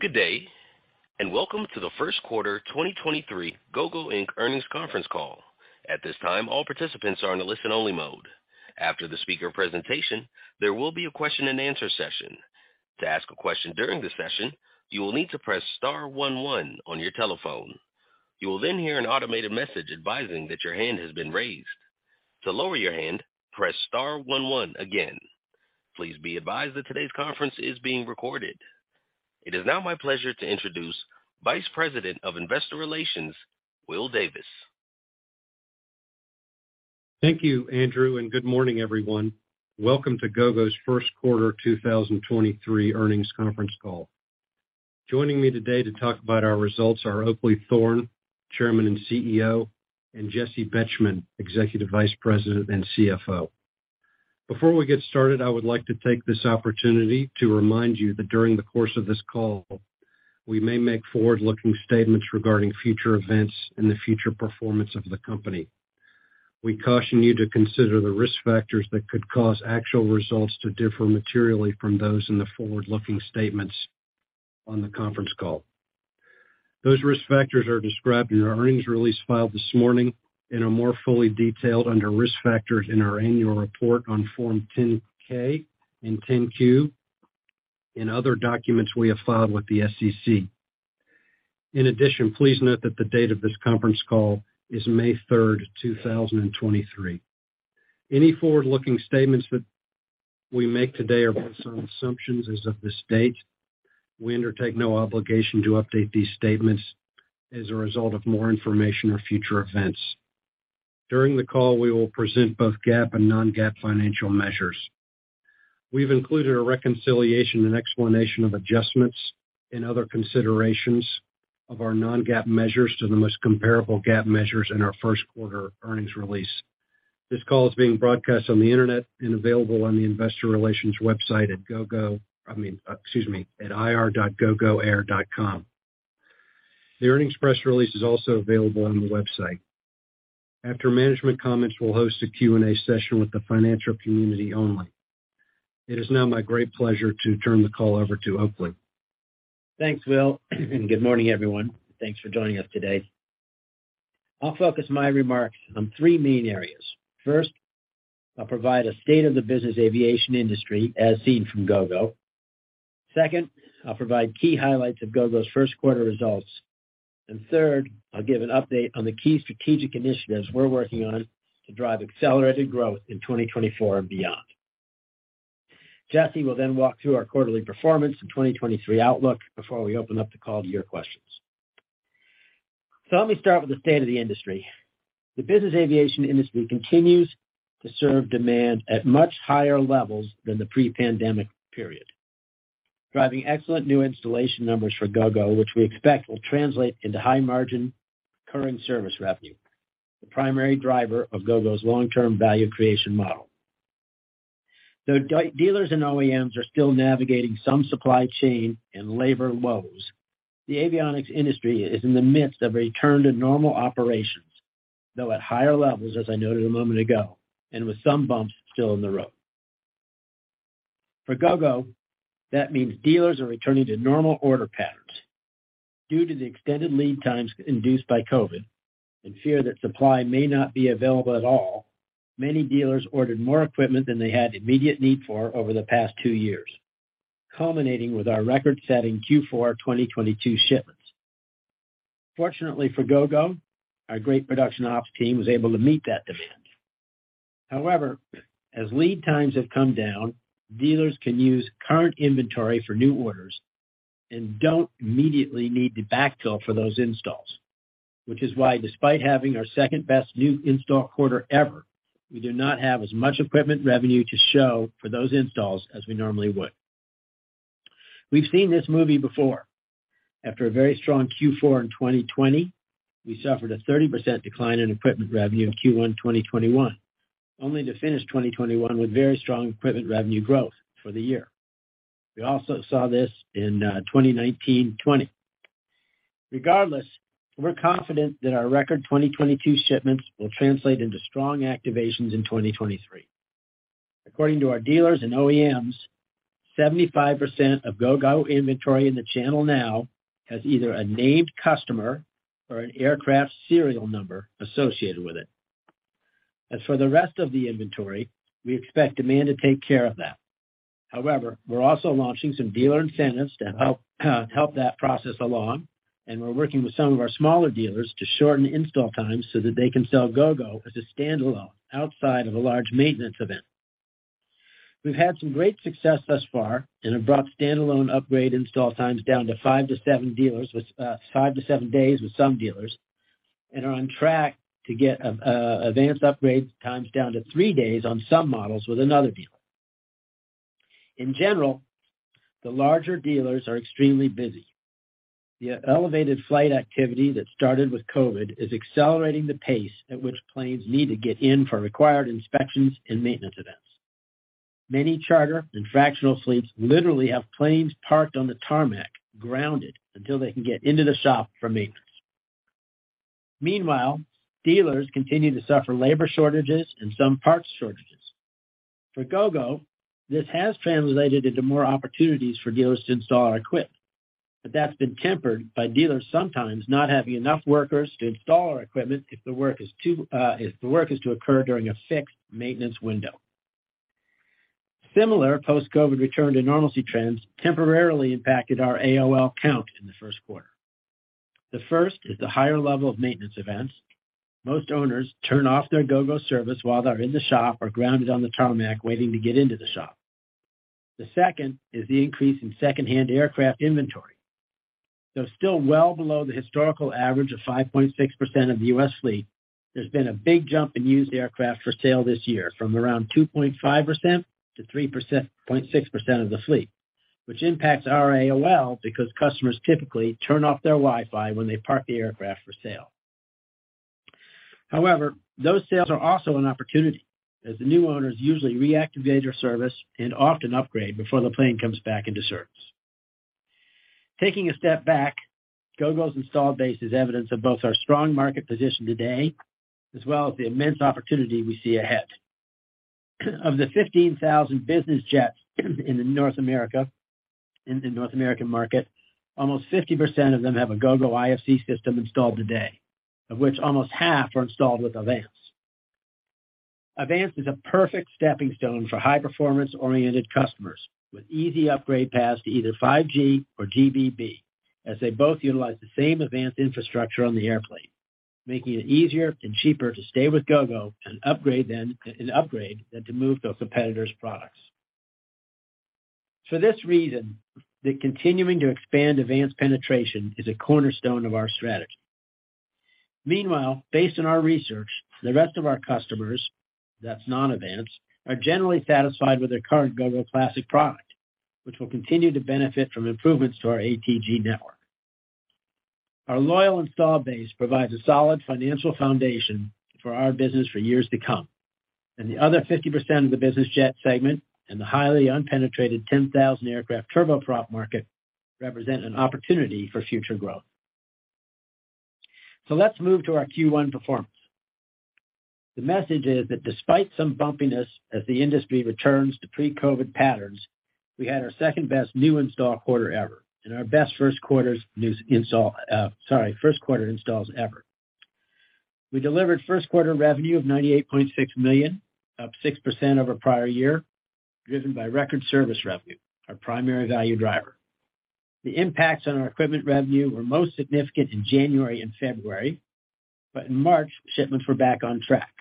Good day, and welcome to the first quarter 2023 Gogo Inc earnings conference call. At this time, all participants are in a listen-only mode. After the speaker presentation, there will be a question-and-answer session. To ask a question during the session, you will need to press star one one on your telephone. You will then hear an automated message advising that your hand has been raised. To lower your hand, press star one one again. Please be advised that today's conference is being recorded. It is now my pleasure to introduce Vice President of Investor Relations, Will Davis. Thank you, Andrew. Good morning, everyone. Welcome to Gogo's first quarter 2023 earnings conference call. Joining me today to talk about our results are Oakleigh Thorne, Chairman and CEO, and Jessi Betjemann, Executive Vice President and CFO. Before we get started, I would like to take this opportunity to remind you that during the course of this call, we may make forward-looking statements regarding future events and the future performance of the company. We caution you to consider the risk factors that could cause actual results to differ materially from those in the forward-looking statements on the conference call. Those risk factors are described in our earnings release filed this morning and are more fully detailed under Risk Factors in our annual report on Form 10-K and 10-Q in other documents we have filed with the SEC. Please note that the date of this conference call is May 3rd, 2023. Any forward-looking statements that we make today are based on assumptions as of this date. We undertake no obligation to update these statements as a result of more information or future events. During the call, we will present both GAAP and non-GAAP financial measures. We've included a reconciliation and explanation of adjustments and other considerations of our non-GAAP measures to the most comparable GAAP measures in our first quarter earnings release. This call is being broadcast on the Internet and available on the investor relations website at ir.gogoair.com. The earnings press release is also available on the website. After management comments, we'll host a Q&A session with the financial community only. It is now my great pleasure to turn the call over to Oakleigh. Thanks, Will. Good morning, everyone. Thanks for joining us today. I'll focus my remarks on three main areas. First, I'll provide a state of the business aviation industry as seen from Gogo. Second, I'll provide key highlights of Gogo's first quarter results. Third, I'll give an update on the key strategic initiatives we're working on to drive accelerated growth in 2024 and beyond. Jessi will walk through our quarterly performance and 2023 outlook before we open up the call to your questions. Let me start with the state of the industry. The business aviation industry continues to serve demand at much higher levels than the pre-pandemic period, driving excellent new installation numbers for Gogo, which we expect will translate into high margin current service revenue, the primary driver of Gogo's long-term value creation model. Though di-dealers and OEMs are still navigating some supply chain and labor woes, the avionics industry is in the midst of a return to normal operations, though at higher levels, as I noted a moment ago, and with some bumps still in the road. For Gogo, that means dealers are returning to normal order patterns. Due to the extended lead times induced by COVID and fear that supply may not be available at all, many dealers ordered more equipment than they had immediate need for over the past two years, culminating with our record-setting Q4 2022 shipments. Fortunately for Gogo, our great production ops team was able to meet that demand. As lead times have come down, dealers can use current inventory for new orders and don't immediately need to backfill for those installs, which is why, despite having our second-best new install quarter ever, we do not have as much equipment revenue to show for those installs as we normally would. We've seen this movie before. After a very strong Q4 in 2020, we suffered a 30% decline in equipment revenue in Q1 2021, only to finish 2021 with very strong equipment revenue growth for the year. We also saw this in 2019, 2020. Regardless, we're confident that our record 2022 shipments will translate into strong activations in 2023. According to our dealers and OEMs, 75% of Gogo inventory in the channel now has either a named customer or an aircraft serial number associated with it. As for the rest of the inventory, we expect demand to take care of that. However, we're also launching some dealer incentives to help that process along, and we're working with some of our smaller dealers to shorten install times so that they can sell Gogo as a standalone outside of a large maintenance event. We've had some great success thus far and have brought standalone upgrade install times down to five to seven dealers with five to seven days with some dealers, and are on track to get advanced upgrade times down to three days on some models with another dealer. In general, the larger dealers are extremely busy. The elevated flight activity that started with COVID is accelerating the pace at which planes need to get in for required inspections and maintenance events. Many charter and fractional fleets literally have planes parked on the tarmac, grounded until they can get into the shop for maintenance. Meanwhile, dealers continue to suffer labor shortages and some parts shortages. For Gogo, this has translated into more opportunities for dealers to install our equipment, but that's been tempered by dealers sometimes not having enough workers to install our equipment if the work is to occur during a fixed maintenance window. Similar post-COVID return to normalcy trends temporarily impacted our AOL count in the first quarter. The first is the higher level of maintenance events. Most owners turn off their Gogo service while they're in the shop or grounded on the tarmac waiting to get into the shop. The second is the increase in secondhand aircraft inventory. Though still well below the historical average of 5.6% of the U.S. fleet, there's been a big jump in used aircraft for sale this year from around 2.5%-3%, 0.6% of the fleet, which impacts our AOL because customers typically turn off their Wi-Fi when they park the aircraft for sale. Those sales are also an opportunity, as the new owners usually reactivate their service and often upgrade before the plane comes back into service. Taking a step back, Gogo's install base is evidence of both our strong market position today, as well as the immense opportunity we see ahead. Of the 15,000 business jets in the North American market, almost 50% of them have a Gogo IFC system installed today, of which almost half are installed with AVANCE. AVANCE is a perfect stepping stone for high-performance-oriented customers with easy upgrade paths to either 5G or GBB, as they both utilize the same advanced infrastructure on the airplane, making it easier and cheaper to stay with Gogo and upgrade than to move to a competitor's products. For this reason, the continuing to expand AVANCE penetration is a cornerstone of our strategy. Meanwhile, based on our research, the rest of our customers, that's non-AVANCE, are generally satisfied with their current Gogo Classic product, which will continue to benefit from improvements to our ATG network. Our loyal install base provides a solid financial foundation for our business for years to come. The other 50% of the business jet segment and the highly unpenetrated 10,000 aircraft turboprop market represent an opportunity for future growth. Let's move to our Q1 performance. The message is that despite some bumpiness as the industry returns to pre-COVID patterns, we had our second-best new install quarter ever and our best first quarter installs ever. We delivered first quarter revenue of $98.6 million, up 6% over prior year, driven by record service revenue, our primary value driver. The impacts on our equipment revenue were most significant in January and February. In March, shipments were back on track.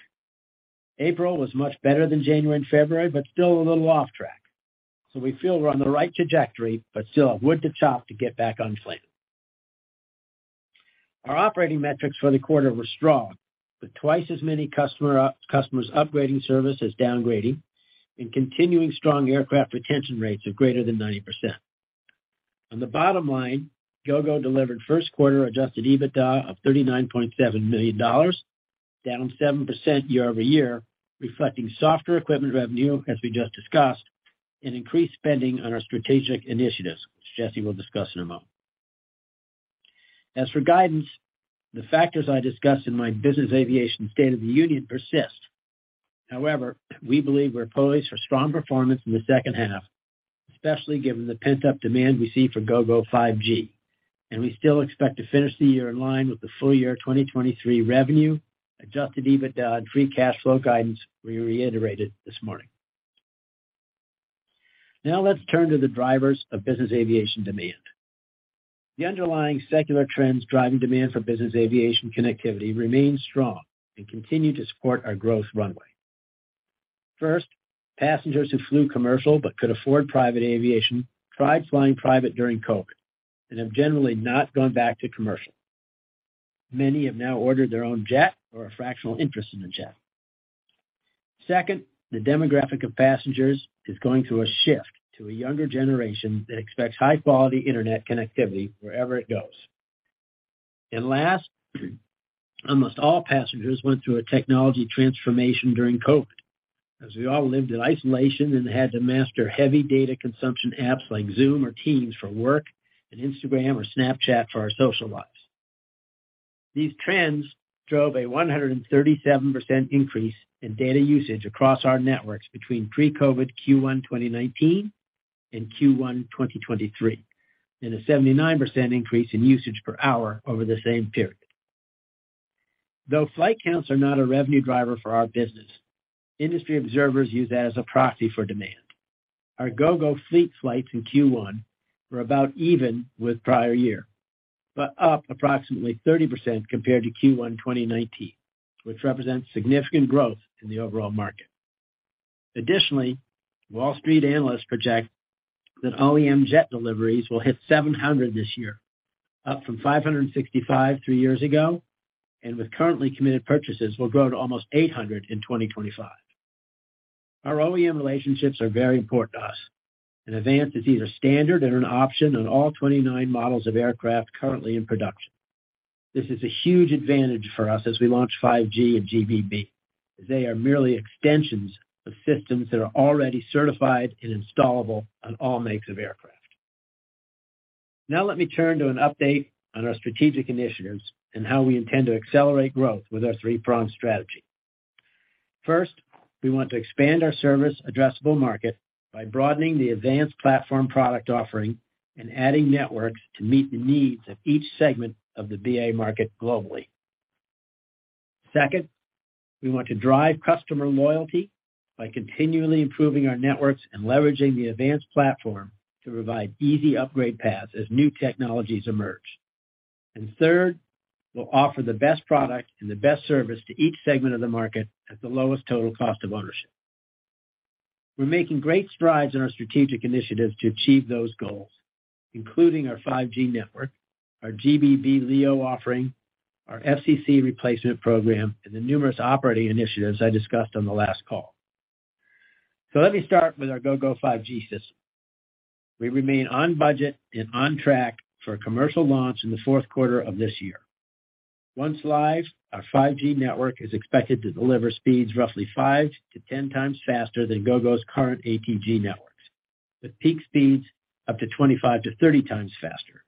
April was much better than January and February, still a little off track. We feel we're on the right trajectory but still have wood to chop to get back on plan. Our operating metrics for the quarter were strong, with twice as many customers upgrading service as downgrading and continuing strong aircraft retention rates of greater than 90%. On the bottom line, Gogo delivered first quarter adjusted EBITDA of $39.7 million, down 7% year-over-year, reflecting softer equipment revenue, as we just discussed, and increased spending on our strategic initiatives, which Jessi will discuss in a moment. As for guidance, the factors I discussed in my business aviation state of the union persist. However, we believe we're poised for strong performance in the second half, especially given the pent-up demand we see for Gogo 5G. We still expect to finish the year in line with the full-year 2023 revenue, adjusted EBITDA and free cash flow guidance we reiterated this morning. Now, let's turn to the drivers of business aviation demand. The underlying secular trends driving demand for business aviation connectivity remain strong and continue to support our growth runway. First, passengers who flew commercial but could afford private aviation tried flying private during COVID and have generally not gone back to commercial. Many have now ordered their own jet or a fractional interest in a jet. Second, the demographic of passengers is going through a shift to a younger generation that expects high-quality internet connectivity wherever it goes. Last, almost all passengers went through a technology transformation during COVID, as we all lived in isolation and had to master heavy data consumption apps like Zoom or Teams for work and Instagram or Snapchat for our social lives. These trends drove a 137% increase in data usage across our networks between pre-COVID Q1 2019 and Q1 2023, and a 79% increase in usage per hour over the same period. Flight counts are not a revenue driver for our business, industry observers use that as a proxy for demand. Our Gogo fleet flights in Q1 were about even with prior year, but up approximately 30% compared to Q1 2019, which represents significant growth in the overall market. Additionally, Wall Street analysts project that OEM jet deliveries will hit 700 this year, up from 565 three years ago, and with currently committed purchases will grow to almost 800 in 2025. Our OEM relationships are very important to us. AVANCE is either standard and an option on all 29 models of aircraft currently in production. This is a huge advantage for us as we launch 5G and GBB. They are merely extensions of systems that are already certified and installable on all makes of aircraft. Let me turn to an update on our strategic initiatives and how we intend to accelerate growth with our three-pronged strategy. First, we want to expand our service addressable market by broadening the AVANCE platform product offering and adding networks to meet the needs of each segment of the BA market globally. Second, we want to drive customer loyalty by continually improving our networks and leveraging the AVANCE platform to provide easy upgrade paths as new technologies emerge. Third, we'll offer the best product and the best service to each segment of the market at the lowest total cost of ownership. We're making great strides in our strategic initiatives to achieve those goals, including our 5G network, our GBB LEO offering, our FCC replacement program, and the numerous operating initiatives I discussed on the last call. Let me start with our Gogo 5G system. We remain on budget and on track for a commercial launch in the fourth quarter of this year. Once live, our 5G network is expected to deliver speeds roughly 5 to 10 times faster than Gogo's current ATG networks, with peak speeds up to 25 to 30 times faster,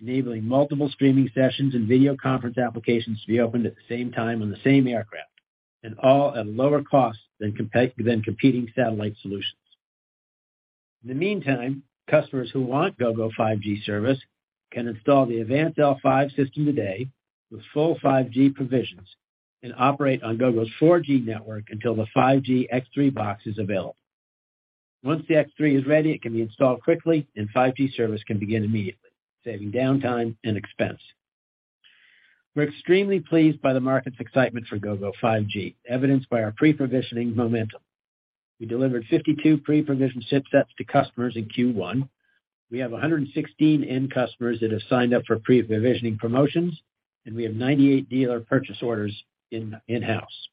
enabling multiple streaming sessions and video conference applications to be opened at the same time on the same aircraft, and all at a lower cost than competing satellite solutions. In the meantime, customers who want Gogo 5G service can install the AVANCE L5 system today with full 5G provisions and operate on Gogo's 4G network until the 5G X3 box is available. Once the X3 is ready, it can be installed quickly and 5G service can begin immediately, saving downtime and expense. We're extremely pleased by the market's excitement for Gogo 5G, evidenced by our pre-provisioning momentum. We delivered 52 pre-provisioned ship sets to customers in Q1. We have 116 end customers that have signed up for pre-provisioning promotions, and we have 98 dealer purchase orders in-house.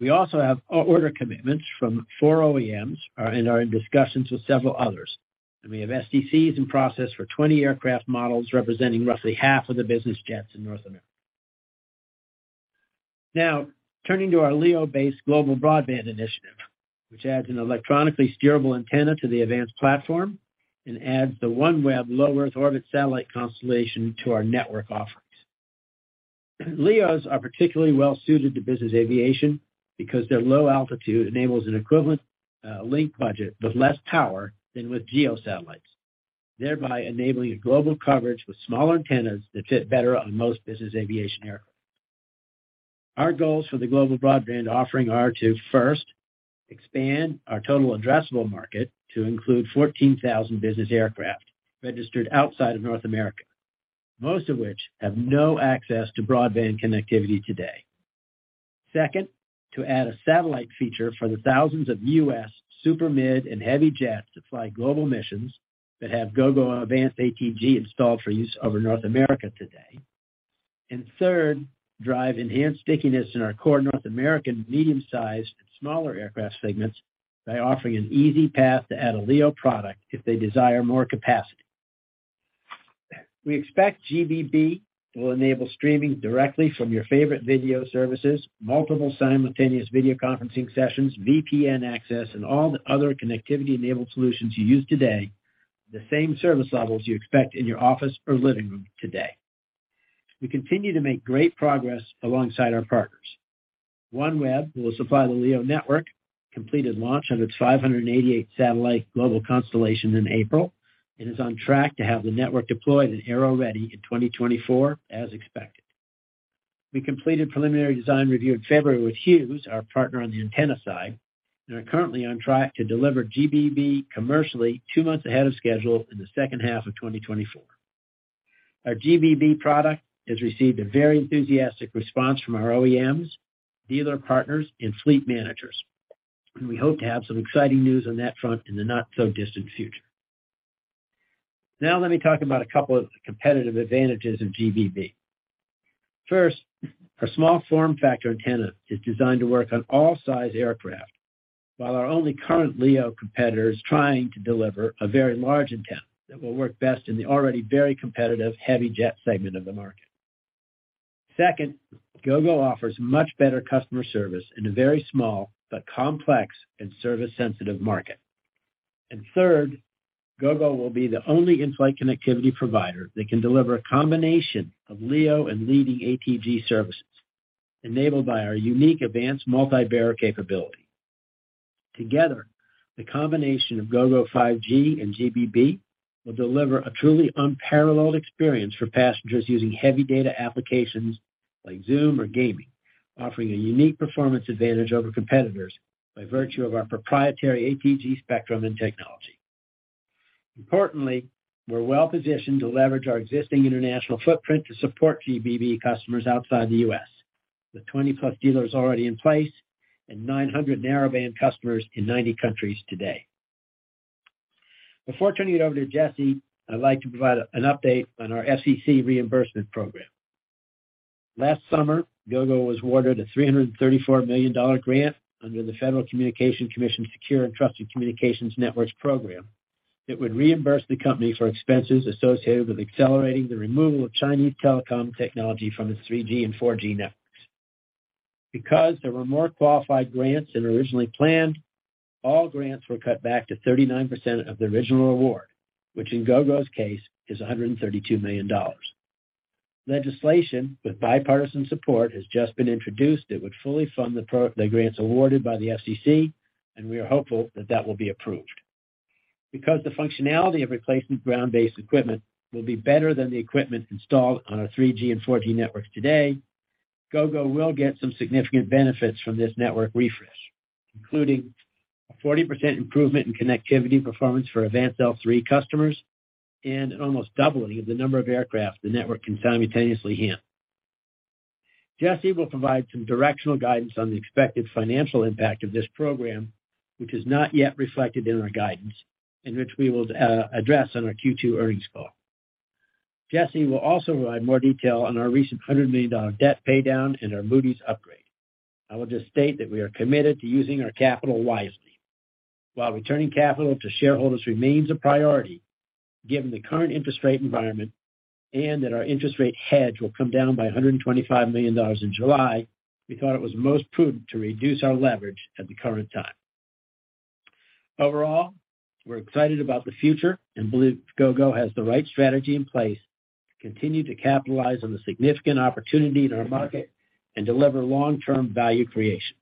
We also have order commitments from four OEMs and are in discussions with several others. We have SDCs in process for 20 aircraft models representing roughly half of the business jets in North America. Turning to our LEO-based global broadband initiative, which adds an electronically steerable antenna to the AVANCE platform and adds the OneWeb low Earth orbit satellite constellation to our network offerings. LEOs are particularly well-suited to business aviation because their low altitude enables an equivalent link budget with less power than with GEO satellites, thereby enabling a global coverage with small antennas that fit better on most business aviation aircraft. Our goals for the global broadband offering are to, first, expand our total addressable market to include 14,000 business aircraft registered outside of North America, most of which have no access to broadband connectivity today. Second, to add a satellite feature for the thousands of U.S. super mid and heavy jets that fly global missions that have Gogo AVANCE ATG installed for use over North America today. Third, drive enhanced stickiness in our core North American medium-sized and smaller aircraft segments by offering an easy path to add a LEO product if they desire more capacity. We expect GBB will enable streaming directly from your favorite video services, multiple simultaneous video conferencing sessions, VPN access, and all the other connectivity-enabled solutions you use today, the same service levels you expect in your office or living room today. We continue to make great progress alongside our partners. OneWeb, who will supply the LEO network, completed launch on its 588 satellite global constellation in April, and is on track to have the network deployed and aero-ready in 2024 as expected. We completed preliminary design review in February with Hughes, our partner on the antenna side, and are currently on track to deliver GBB commercially two months ahead of schedule in the second half of 2024. Our GBB product has received a very enthusiastic response from our OEMs, dealer partners, and fleet managers. We hope to have some exciting news on that front in the not so distant future. Let me talk about a couple of competitive advantages of GBB. First, our small form factor antenna is designed to work on all size aircraft, while our only current LEO competitor is trying to deliver a very large antenna that will work best in the already very competitive heavy jet segment of the market. Second, Gogo offers much better customer service in a very small but complex and service-sensitive market. Third, Gogo will be the only inflight connectivity provider that can deliver a combination of LEO and leading ATG services enabled by our unique advanced multi-bearer capability. Together, the combination of Gogo 5G and GBB will deliver a truly unparalleled experience for passengers using heavy data applications like Zoom or gaming, offering a unique performance advantage over competitors by virtue of our proprietary ATG spectrum and technology. Importantly, we're well-positioned to leverage our existing international footprint to support GBB customers outside the U.S., with 20+ dealers already in place and 900 narrowband customers in 90 countries today. Before turning it over to Jessi, I'd like to provide an update on our FCC reimbursement program. Last summer, Gogo was awarded a $334 million grant under the Federal Communications Commission Secure and Trusted Communications Networks program. It would reimburse the company for expenses associated with accelerating the removal of Chinese telecom technology from its 3G and 4G. There were more qualified grants than originally planned, all grants were cut back to 39% of the original award, which in Gogo's case is $132 million. Legislation with bipartisan support has just been introduced that would fully fund the grants awarded by the FCC, and we are hopeful that that will be approved. The functionality of replacement ground-based equipment will be better than the equipment installed on our 3G and 4G networks today, Gogo will get some significant benefits from this network refresh, including a 40% improvement in connectivity performance for AVANCE L3 customers and an almost doubling of the number of aircraft the network can simultaneously handle. Jessie will provide some directional guidance on the expected financial impact of this program, which is not yet reflected in our guidance and which we will address on our Q2 earnings call. Jessie will also provide more detail on our recent $100 million debt pay down and our Moody's upgrade. I will just state that we are committed to using our capital wisely. While returning capital to shareholders remains a priority, given the current interest rate environment, and that our interest rate hedge will come down by $125 million in July, we thought it was most prudent to reduce our leverage at the current time. Overall, we're excited about the future and believe Gogo has the right strategy in place to continue to capitalize on the significant opportunity in our market and deliver long-term value creation.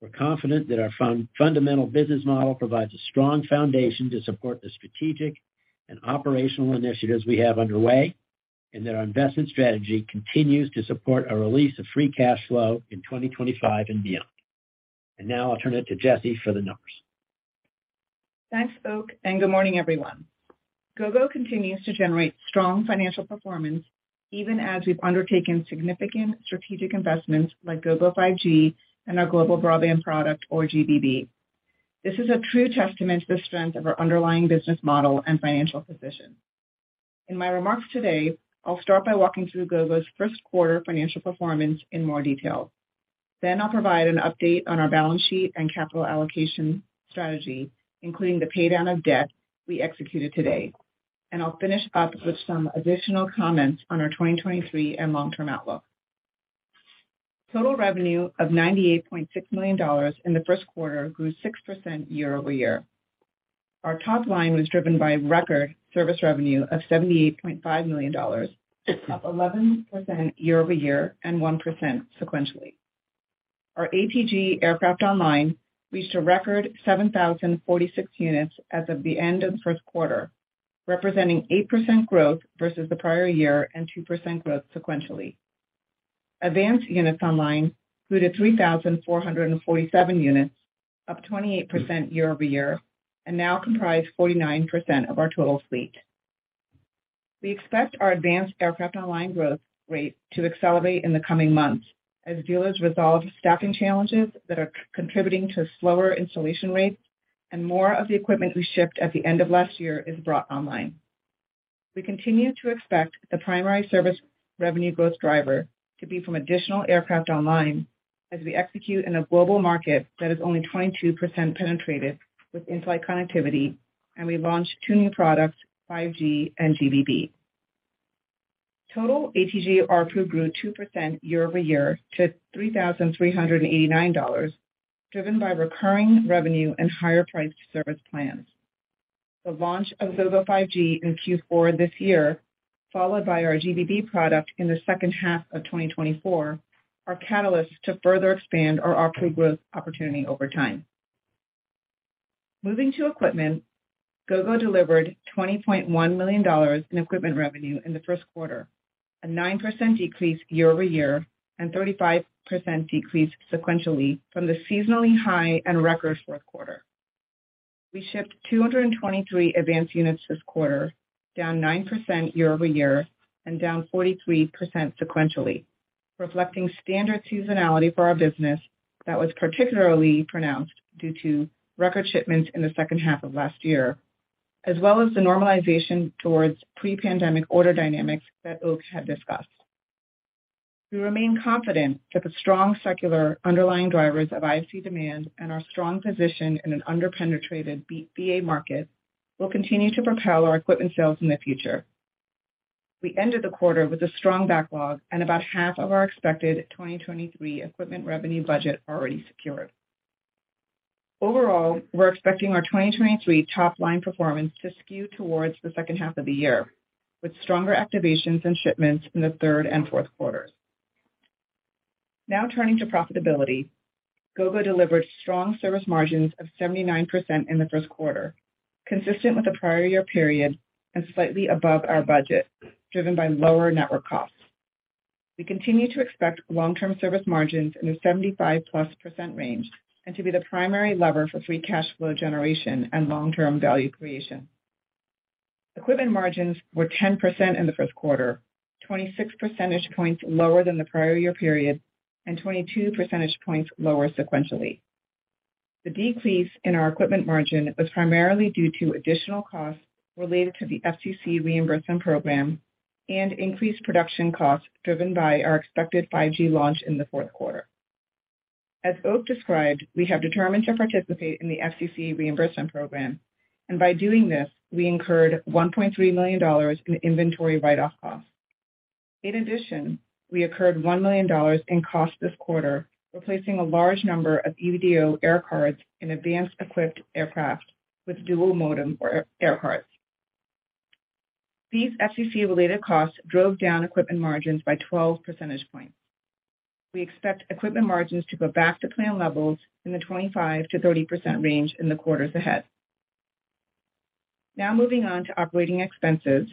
We're confident that our fundamental business model provides a strong foundation to support the strategic and operational initiatives we have underway, and that our investment strategy continues to support a release of free cash flow in 2025 and beyond. Now I'll turn it to Jessie for the numbers. Thanks, Oak. Good morning, everyone. Gogo continues to generate strong financial performance even as we've undertaken significant strategic investments like Gogo 5G and our Global Broadband product or GBB. This is a true testament to the strength of our underlying business model and financial position. In my remarks today, I'll start by walking through Gogo's first quarter financial performance in more detail. I'll provide an update on our balance sheet and capital allocation strategy, including the pay down of debt we executed today. I'll finish up with some additional comments on our 2023 and long-term outlook. Total revenue of $98.6 million in the first quarter grew 6% year-over-year. Our top line was driven by record service revenue of $78.5 million, up 11% year-over-year and 1% sequentially. Our ATG aircraft online reached a record 7,046 units as of the end of the first quarter, representing 8% growth versus the prior year and 2% growth sequentially. Advanced units online included 3,447 units, up 28% year-over-year, and now comprise 49% of our total fleet. We expect our advanced aircraft online growth rate to accelerate in the coming months as dealers resolve staffing challenges that are contributing to slower installation rates and more of the equipment we shipped at the end of last year is brought online. We continue to expect the primary service revenue growth driver to be from additional aircraft online as we execute in a global market that is only 22% penetrated with inflight connectivity, and we launch two new products, 5G and GBB. Total ATG ARPU grew 2% year-over-year to $3,389, driven by recurring revenue and higher priced service plans. The launch of Gogo 5G in Q4 this year, followed by our GBB product in the second half of 2024, are catalysts to further expand our ARPU growth opportunity over time. Moving to equipment, Gogo delivered $20.1 million in equipment revenue in the first quarter, a 9% decrease year-over-year and 35% decrease sequentially from the seasonally high and record fourth quarter. We shipped 223 AVANCE units this quarter, down 9% year-over-year and down 43% sequentially, reflecting standard seasonality for our business that was particularly pronounced due to record shipments in the second half of last year, as well as the normalization towards pre-pandemic order dynamics that Oak had discussed. We remain confident that the strong secular underlying drivers of IFC demand and our strong position in an under-penetrated BA market will continue to propel our equipment sales in the future. We ended the quarter with a strong backlog and about half of our expected 2023 equipment revenue budget already secured. We're expecting our 2023 top-line performance to skew towards the second half of the year, with stronger activations and shipments in the third and fourth quarters. Turning to profitability. Gogo delivered strong service margins of 79% in the first quarter, consistent with the prior year period and slightly above our budget, driven by lower network costs. We continue to expect long-term service margins in the 75%+ range and to be the primary lever for free cash flow generation and long-term value creation. Equipment margins were 10% in the first quarter, 26 percentage points lower than the prior year period and 22 percentage points lower sequentially. The decrease in our equipment margin was primarily due to additional costs related to the FCC reimbursement program and increased production costs driven by our expected 5G launch in the fourth quarter. As Oak described, we have determined to participate in the FCC reimbursement program, and by doing this, we incurred $1.3 million in inventory write-off costs. In addition, we incurred $1 million in cost this quarter, replacing a large number of EVDO air cards in AVANCE equipped aircraft with dual modem or air cards. These FCC-related costs drove down equipment margins by 12 percentage points. We expect equipment margins to go back to plan levels in the 25%-30% range in the quarters ahead. Moving on to operating expenses.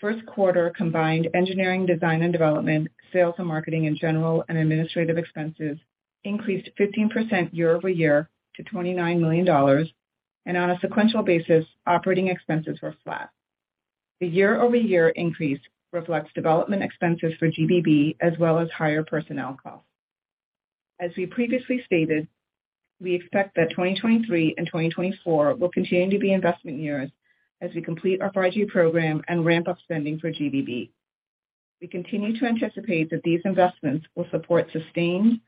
First quarter combined engineering, design and development, sales and marketing in general and administrative expenses increased 15% year-over-year to $29 million. On a sequential basis, operating expenses were flat. The year-over-year increase reflects development expenses for GBB as well as higher personnel costs. We previously stated, we expect that 2023 and 2024 will continue to be investment years as we complete our 5G program and ramp up spending for GBB. We continue to anticipate that these investments will support sustained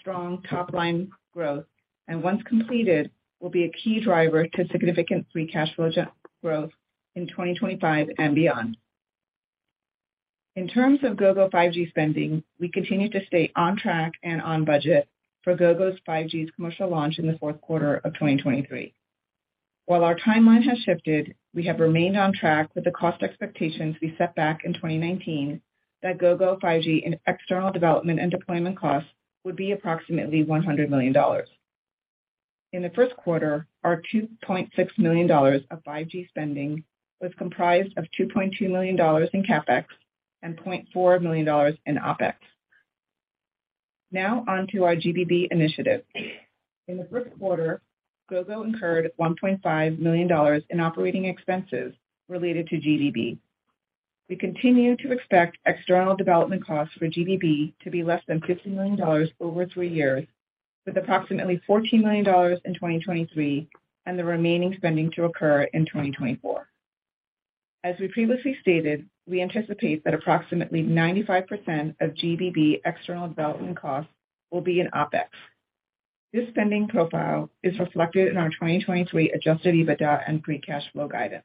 strong top-line growth and once completed will be a key driver to significant free cash flow growth in 2025 and beyond. In terms of Gogo 5G spending, we continue to stay on track and on budget for Gogo's 5G commercial launch in the fourth quarter of 2023. While our timeline has shifted, we have remained on track with the cost expectations we set back in 2019 that Gogo 5G and external development and deployment costs would be approximately $100 million. In the first quarter, our $2.6 million of 5G spending was comprised of $2.2 million in CapEx and $0.4 million in OpEx. Now on to our GBB initiative. In the first quarter, Gogo incurred $1.5 million in operating expenses related to GBB. We continue to expect external development costs for GBB to be less than $50 million over three years, with approximately $14 million in 2023 and the remaining spending to occur in 2024. As we previously stated, we anticipate that approximately 95% of GBB external development costs will be in OpEx. This spending profile is reflected in our 2023 adjusted EBITDA and free cash flow guidance.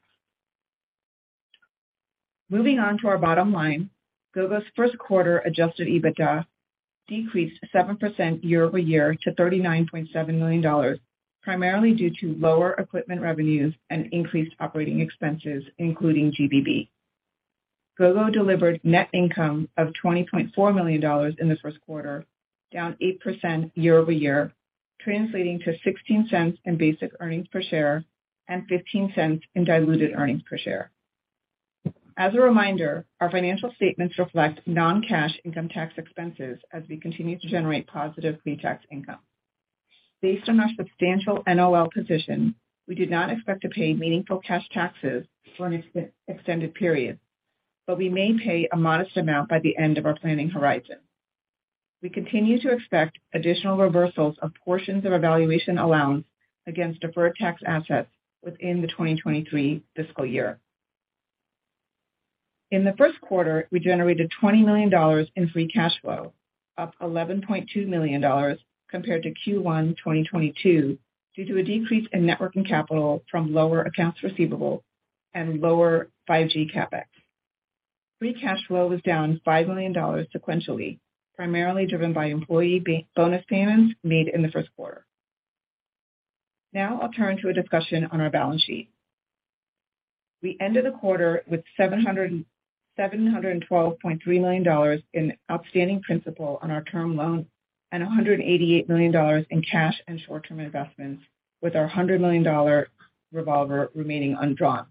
Moving on to our bottom line. Gogo's first quarter adjusted EBITDA decreased 7% year-over-year to $39.7 million, primarily due to lower equipment revenues and increased operating expenses, including GBB. Gogo delivered net income of $20.4 million in the first quarter, down 8% year-over-year, translating to $0.16 in basic earnings per share and $0.15 in diluted earnings per share. As a reminder, our financial statements reflect non-cash income tax expenses as we continue to generate positive pre-tax income. Based on our substantial NOL position, we do not expect to pay meaningful cash taxes for an extended period, but we may pay a modest amount by the end of our planning horizon. We continue to expect additional reversals of portions of our valuation allowance against deferred tax assets within the 2023 fiscal year. In the first quarter, we generated $20 million in free cash flow, up $11.2 million compared to Q1 2022 due to a decrease in net working capital from lower accounts receivable and lower 5G CapEx. Free cash flow was down $5 million sequentially, primarily driven by employee bonus payments made in the first quarter. I'll turn to a discussion on our balance sheet. We ended the quarter with $712.3 million in outstanding principal on our Term Loan and $188 million in cash and short-term investments, with our $100 million revolver remaining undrawn.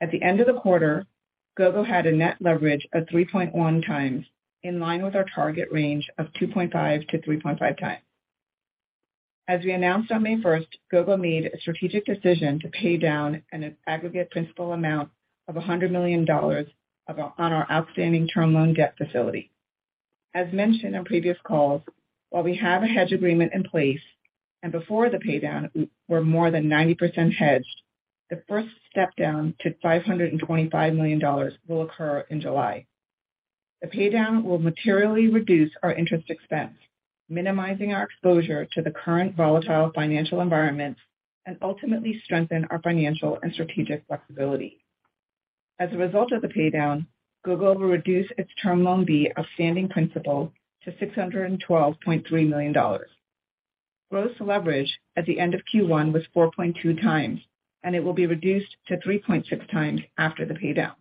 At the end of the quarter, Gogo had a net leverage of 3.1 times, in line with our target range of 2.5 times to 3.5 times. As we announced on May 1st, Gogo made a strategic decision to pay down an aggregate principal amount of $100 million on our outstanding Term Loan debt facility. As mentioned on previous calls, while we have a hedge agreement in place and before the pay down we're more than 90% hedged, the first step down to $525 million will occur in July. The pay down will materially reduce our interest expense, minimizing our exposure to the current volatile financial environment and ultimately strengthen our financial and strategic flexibility. As a result of the pay down, Gogo will reduce its Term Loan B outstanding principal to $612.3 million. Gross leverage at the end of Q1 was 4.2 times, it will be reduced to 3.6 times after the pay down.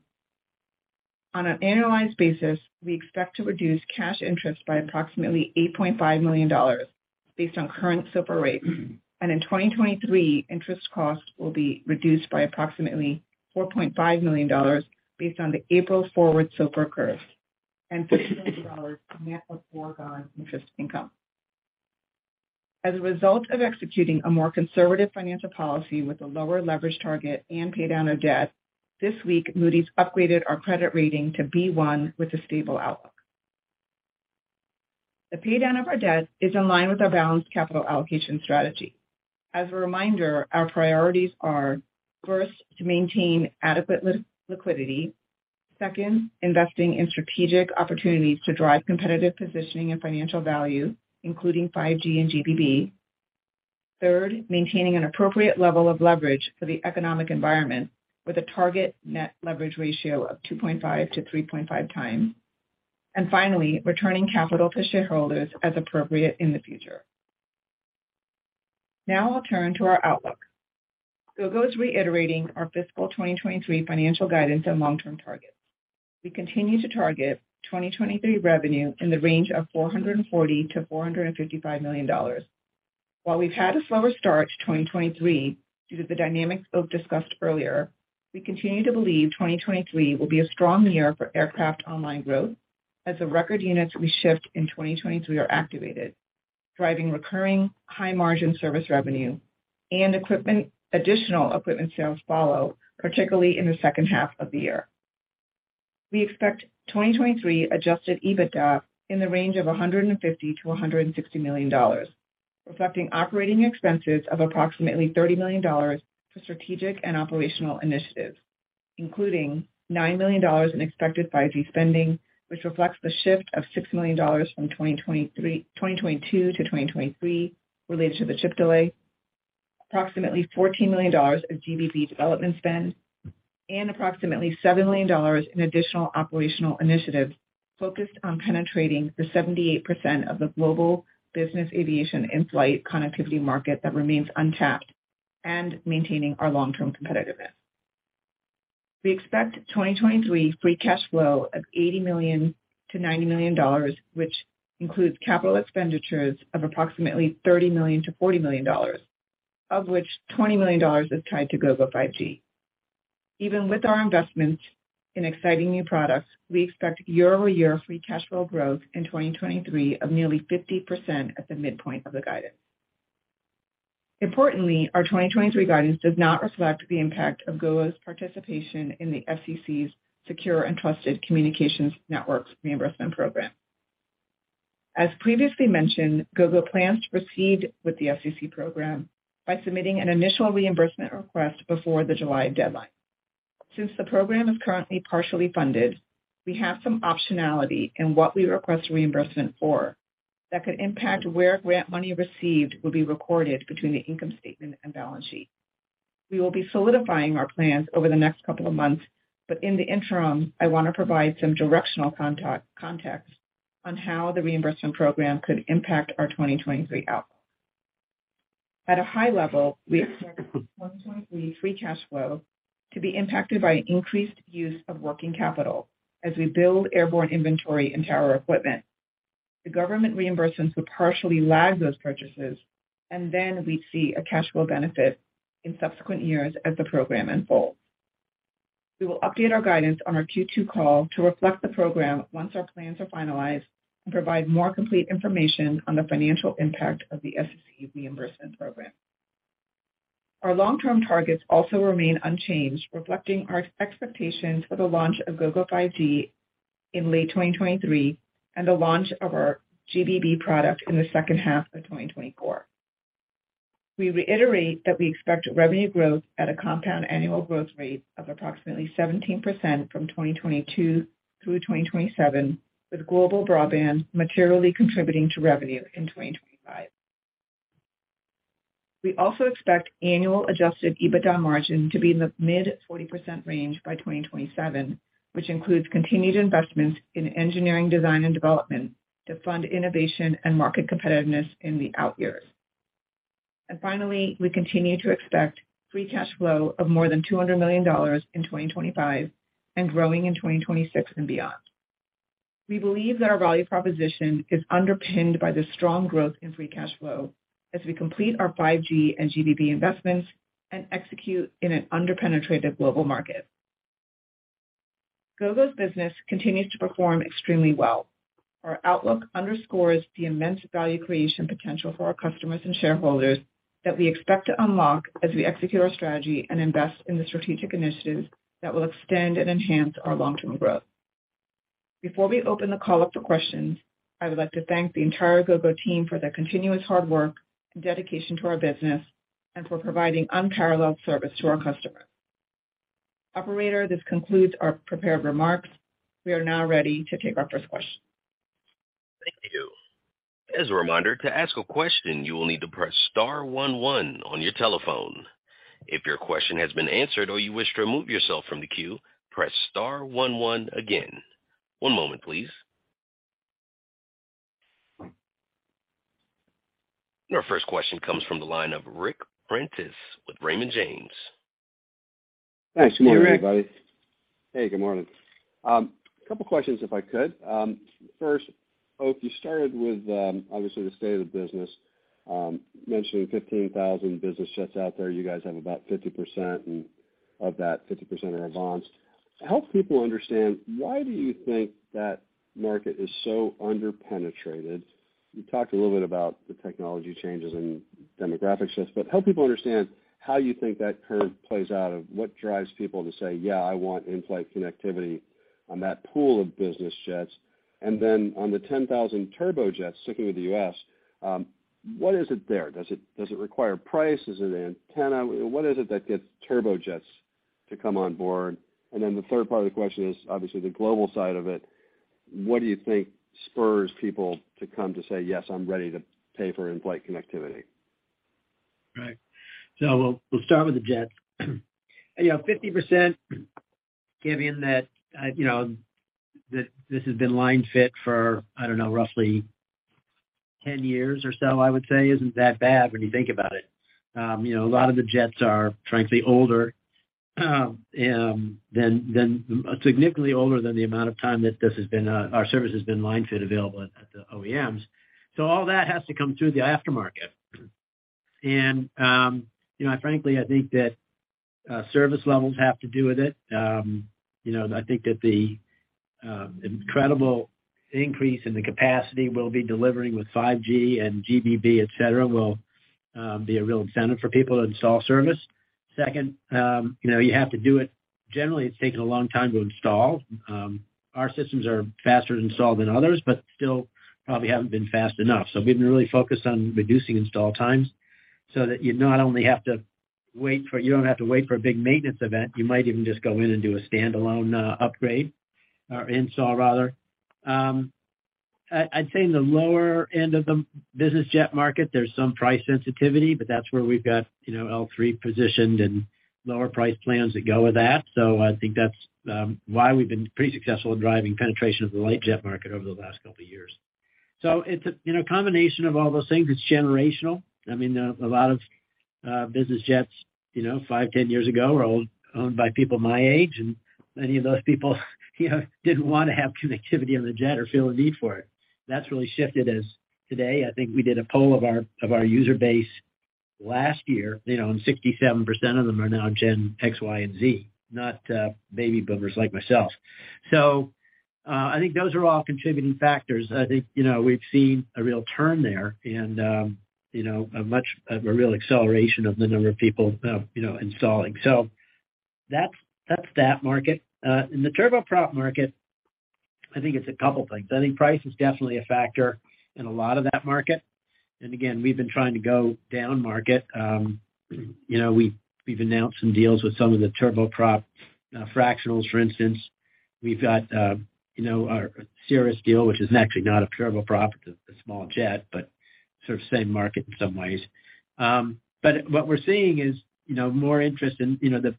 On an annualized basis, we expect to reduce cash interest by approximately $8.5 million based on current SOFR rates. In 2023, interest costs will be reduced by approximately $4.5 million based on the April forward SOFR curve and $15 million in net of foregone interest income. As a result of executing a more conservative financial policy with a lower leverage target and pay down of debt, this week, Moody's upgraded our credit rating to B1 with a stable outlook. The pay down of our debt is in line with our balanced capital allocation strategy. As a reminder, our priorities are, first, to maintain adequate liquidity. Second, investing in strategic opportunities to drive competitive positioning and financial value, including 5G and GBB. Third, maintaining an appropriate level of leverage for the economic environment with a target net leverage ratio of 2.5 times to 3.5 times. Finally, returning capital to shareholders as appropriate in the future. I'll turn to our outlook. Gogo's reiterating our fiscal 2023 financial guidance and long-term targets. We continue to target 2023 revenue in the range of $440 million-$455 million. We've had a slower start to 2023 due to the dynamics both discussed earlier, we continue to believe 2023 will be a strong year for aircraft online growth as the record units we shift in 2023 are activated, driving recurring high margin service revenue and equipment, additional equipment sales follow, particularly in the second half of the year. We expect 2023 Adjusted EBITDA in the range of $150 million-$160 million, reflecting operating expenses of approximately $30 million for strategic and operational initiatives, including $9 million in expected 5G spending, which reflects the shift of $6 million from 2022 to 2023 related to the chip delay, approximately $14 million of GBB development spend and approximately $7 million in additional operational initiatives focused on penetrating the 78% of the global business aviation inflight connectivity market that remains untapped and maintaining our long-term competitiveness. We expect 2023 free cash flow of $80 million-$90 million, which includes capital expenditures of approximately $30 million-$40 million, of which $20 million is tied to Gogo 5G. Even with our investments in exciting new products, we expect year-over-year free cash flow growth in 2023 of nearly 50% at the midpoint of the guidance. Importantly, our 2023 guidance does not reflect the impact of Gogo's participation in the FCC's Secure and Trusted Communications Networks Reimbursement Program. As previously mentioned, Gogo plans to proceed with the FCC program by submitting an initial reimbursement request before the July deadline. Since the program is currently partially funded, we have some optionality in what we request reimbursement for that could impact where grant money received will be recorded between the income statement and balance sheet. We will be solidifying our plans over the next couple of months, but in the interim, I want to provide some directional context on how the reimbursement program could impact our 2023 outlook. At a high level, we expect 2023 free cash flow to be impacted by increased use of working capital as we build airborne inventory and tower equipment. The government reimbursements would partially lag those purchases and then we'd see a cash flow benefit in subsequent years as the program unfolds. We will update our guidance on our Q2 call to reflect the program once our plans are finalized and provide more complete information on the financial impact of the FCC reimbursement program. Our long-term targets also remain unchanged, reflecting our expectations for the launch of Gogo 5G in late 2023 and the launch of our GBB product in the second half of 2024. We reiterate that we expect revenue growth at a compound annual growth rate of approximately 17% from 2022 through 2027, with Global Broadband materially contributing to revenue in 2025. We also expect annual adjusted EBITDA margin to be in the mid 40% range by 2027, which includes continued investments in engineering, design and development to fund innovation and market competitiveness in the out years. Finally, we continue to expect free cash flow of more than $200 million in 2025 and growing in 2026 and beyond. We believe that our value proposition is underpinned by the strong growth in free cash flow as we complete our 5G and GBB investments and execute in an under-penetrated global market. Gogo's business continues to perform extremely well. Our outlook underscores the immense value creation potential for our customers and shareholders that we expect to unlock as we execute our strategy and invest in the strategic initiatives that will extend and enhance our long-term growth. Before we open the call up for questions, I would like to thank the entire Gogo team for their continuous hard work and dedication to our business and for providing unparalleled service to our customers. Operator, this concludes our prepared remarks. We are now ready to take our first question. Thank you. As a reminder, to ask a question, you will need to press star one one on your telephone. If your question has been answered or you wish to remove yourself from the queue, press star one one again. One moment please. Our first question comes from the line of Ric Prentiss with Raymond James. Thanks. Good morning, everybody. Hey, Ric. Hey, good morning. A couple questions if I could. First, Oak, you started with obviously the state of the business, mentioning 15,000 business jets out there. You guys have about 50% and of that 50% are AVANCE. Help people understand why do you think that market is so under-penetrated? You talked a little bit about the technology changes and demographic shifts, help people understand how you think that curve plays out of what drives people to say, "Yeah, I want in-flight connectivity on that pool of business jets." On the 10,000 turbojets sticking with the U.S., what is it there? Does it require price? Is it antenna? What is it that gets turbojets to come on board? The third part of the question is obviously the global side of it. What do you think spurs people to come to say, "Yes, I'm ready to pay for in-flight connectivity? Right. We'll start with the jets. You know, 50% given that, you know, that this has been line fit for, I don't know, roughly 10 years or so, I would say, isn't that bad when you think about it. You know, a lot of the jets are, frankly, older, significantly older than the amount of time that this has been, our service has been line fit available at the OEMs. All that has to come through the aftermarket. You know, frankly, I think that service levels have to do with it. You know, I think that the incredible increase in the capacity we'll be delivering with 5G and GBB, et cetera, will be a real incentive for people to install service. Second, you know, you have to do it. Generally, it's taken a long time to install. Our systems are faster to install than others, but still probably haven't been fast enough. We've been really focused on reducing install times so that You don't have to wait for a big maintenance event. You might even just go in and do a standalone upgrade or install rather. I'd say in the lower end of the business jet market, there's some price sensitivity, but that's where we've got, you know, L3 positioned and lower price plans that go with that. I think that's why we've been pretty successful in driving penetration of the light jet market over the last couple of years. It's a, you know, combination of all those things. It's generational. I mean, a lot of business jets, you know, five, 10 years ago, were owned by people my age, and many of those people, you know, didn't want to have connectivity on the jet or feel a need for it. That's really shifted as today. I think we did a poll of our user base last year, you know, 67% of them are now Gen X, Y, and Z, not baby boomers like myself. I think those are all contributing factors. I think, you know, we've seen a real turn there and, you know, a real acceleration of the number of people, you know, installing. That's that market. In the turboprop market, I think it's a couple things. I think price is definitely a factor in a lot of that market. Again, we've been trying to go down market. You know, we've announced some deals with some of the turboprop fractionals, for instance. We've got, you know, our Cirrus deal, which is actually not a turboprop. It's a small jet, but sort of same market in some ways. What we're seeing is, you know, more interest in, you know, the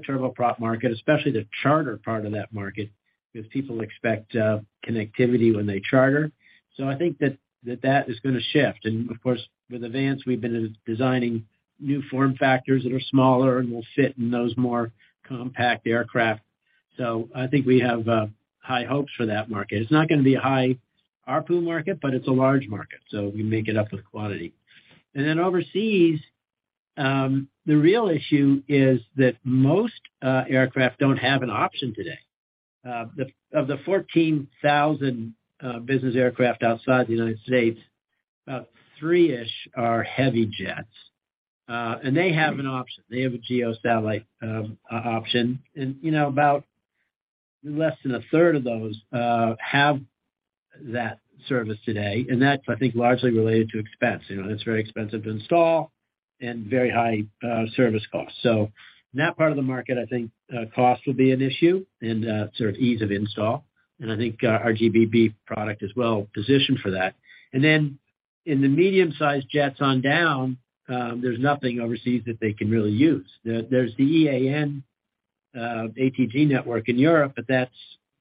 turboprop market, especially the charter part of that market, because people expect connectivity when they charter. I think that that is gonna shift. Of course, with AVANCE, we've been designing new form factors that are smaller and will fit in those more compact aircraft. I think we have high hopes for that market. It's not gonna be a high ARPU market, but it's a large market, so we make it up with quantity. Overseas, the real issue is that most aircraft don't have an option today. Of the 14,000 business aircraft outside the United States, about three are heavy jets, and they have an option. They have a GEO satellite option. You know, about less than a third of those have that service today. That's, I think, largely related to expense. You know, it's very expensive to install and very high service costs. In that part of the market, I think, cost will be an issue and sort of ease of install. I think our GBB product is well-positioned for that. In the medium-sized jets on down, there's nothing overseas that they can really use. There's the EAN ATG network in Europe, but that's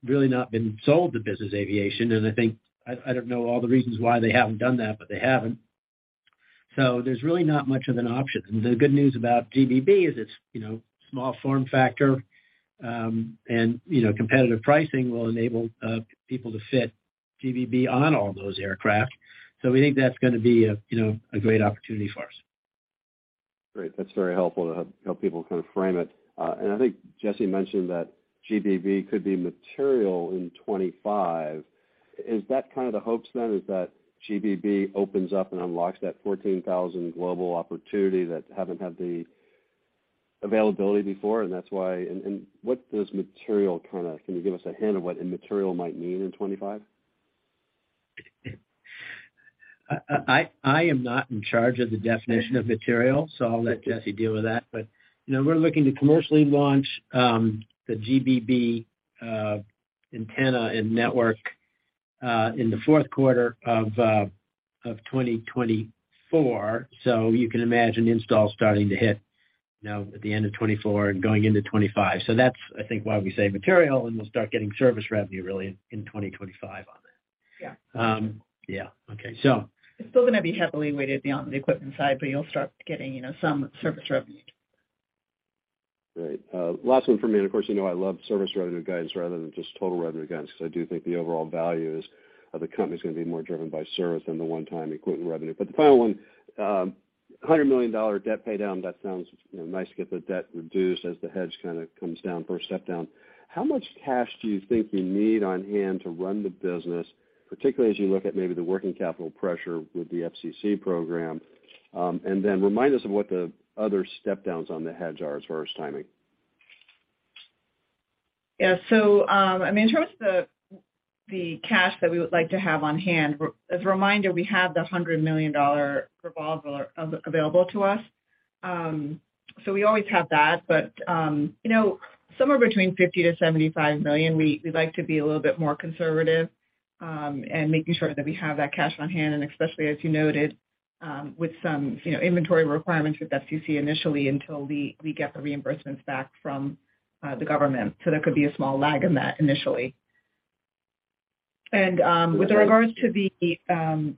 really not been sold to business aviation, and I think. I don't know all the reasons why they haven't done that, but they haven't. There's really not much of an option. The good news about GBB is it's, you know, small form factor, and, you know, competitive pricing will enable people to fit GBB on all those aircraft. We think that's gonna be a great opportunity for us. Great. That's very helpful to help people kind of frame it. I think Jessi mentioned that GBB could be material in 2025. Is that kind of the hopes then is that GBB opens up and unlocks that 14,000 global opportunity that haven't had the availability before, and that's why? What does material kind of, Can you give us a hint of what a material might mean in 2025? I am not in charge of the definition of material. I'll let Jessi deal with that. You know, we're looking to commercially launch the GBB antenna and network in the fourth quarter of 2024. You can imagine installs starting to hit, you know, at the end of 2024 and going into 2025. That's, I think, why we say material. We'll start getting service revenue really in 2025 on it. Yeah. Yeah. Okay. It's still gonna be heavily weighted on the equipment side, but you'll start getting, you know, some service revenue. Great. Last one for me, you know I love service revenue guidance rather than just total revenue guidance, because I do think the overall value of the company is gonna be more driven by service than the one-time equipment revenue. The final one, $100 million debt pay down, that sounds, you know, nice to get the debt reduced as the hedge kind of comes down, first step down. How much cash do you think you need on hand to run the business, particularly as you look at maybe the working capital pressure with the FCC program? Remind us of what the other step downs on the hedge are as far as timing. I mean, in terms of the cash that we would like to have on hand, as a reminder, we have the $100 million revolver available to us. We always have that. You know, somewhere between $50 million-$75 million, we'd like to be a little bit more conservative in making sure that we have that cash on hand, and especially as you noted, with some, you know, inventory requirements with FCC initially until we get the reimbursements back from the government. There could be a small lag in that initially. With regards to the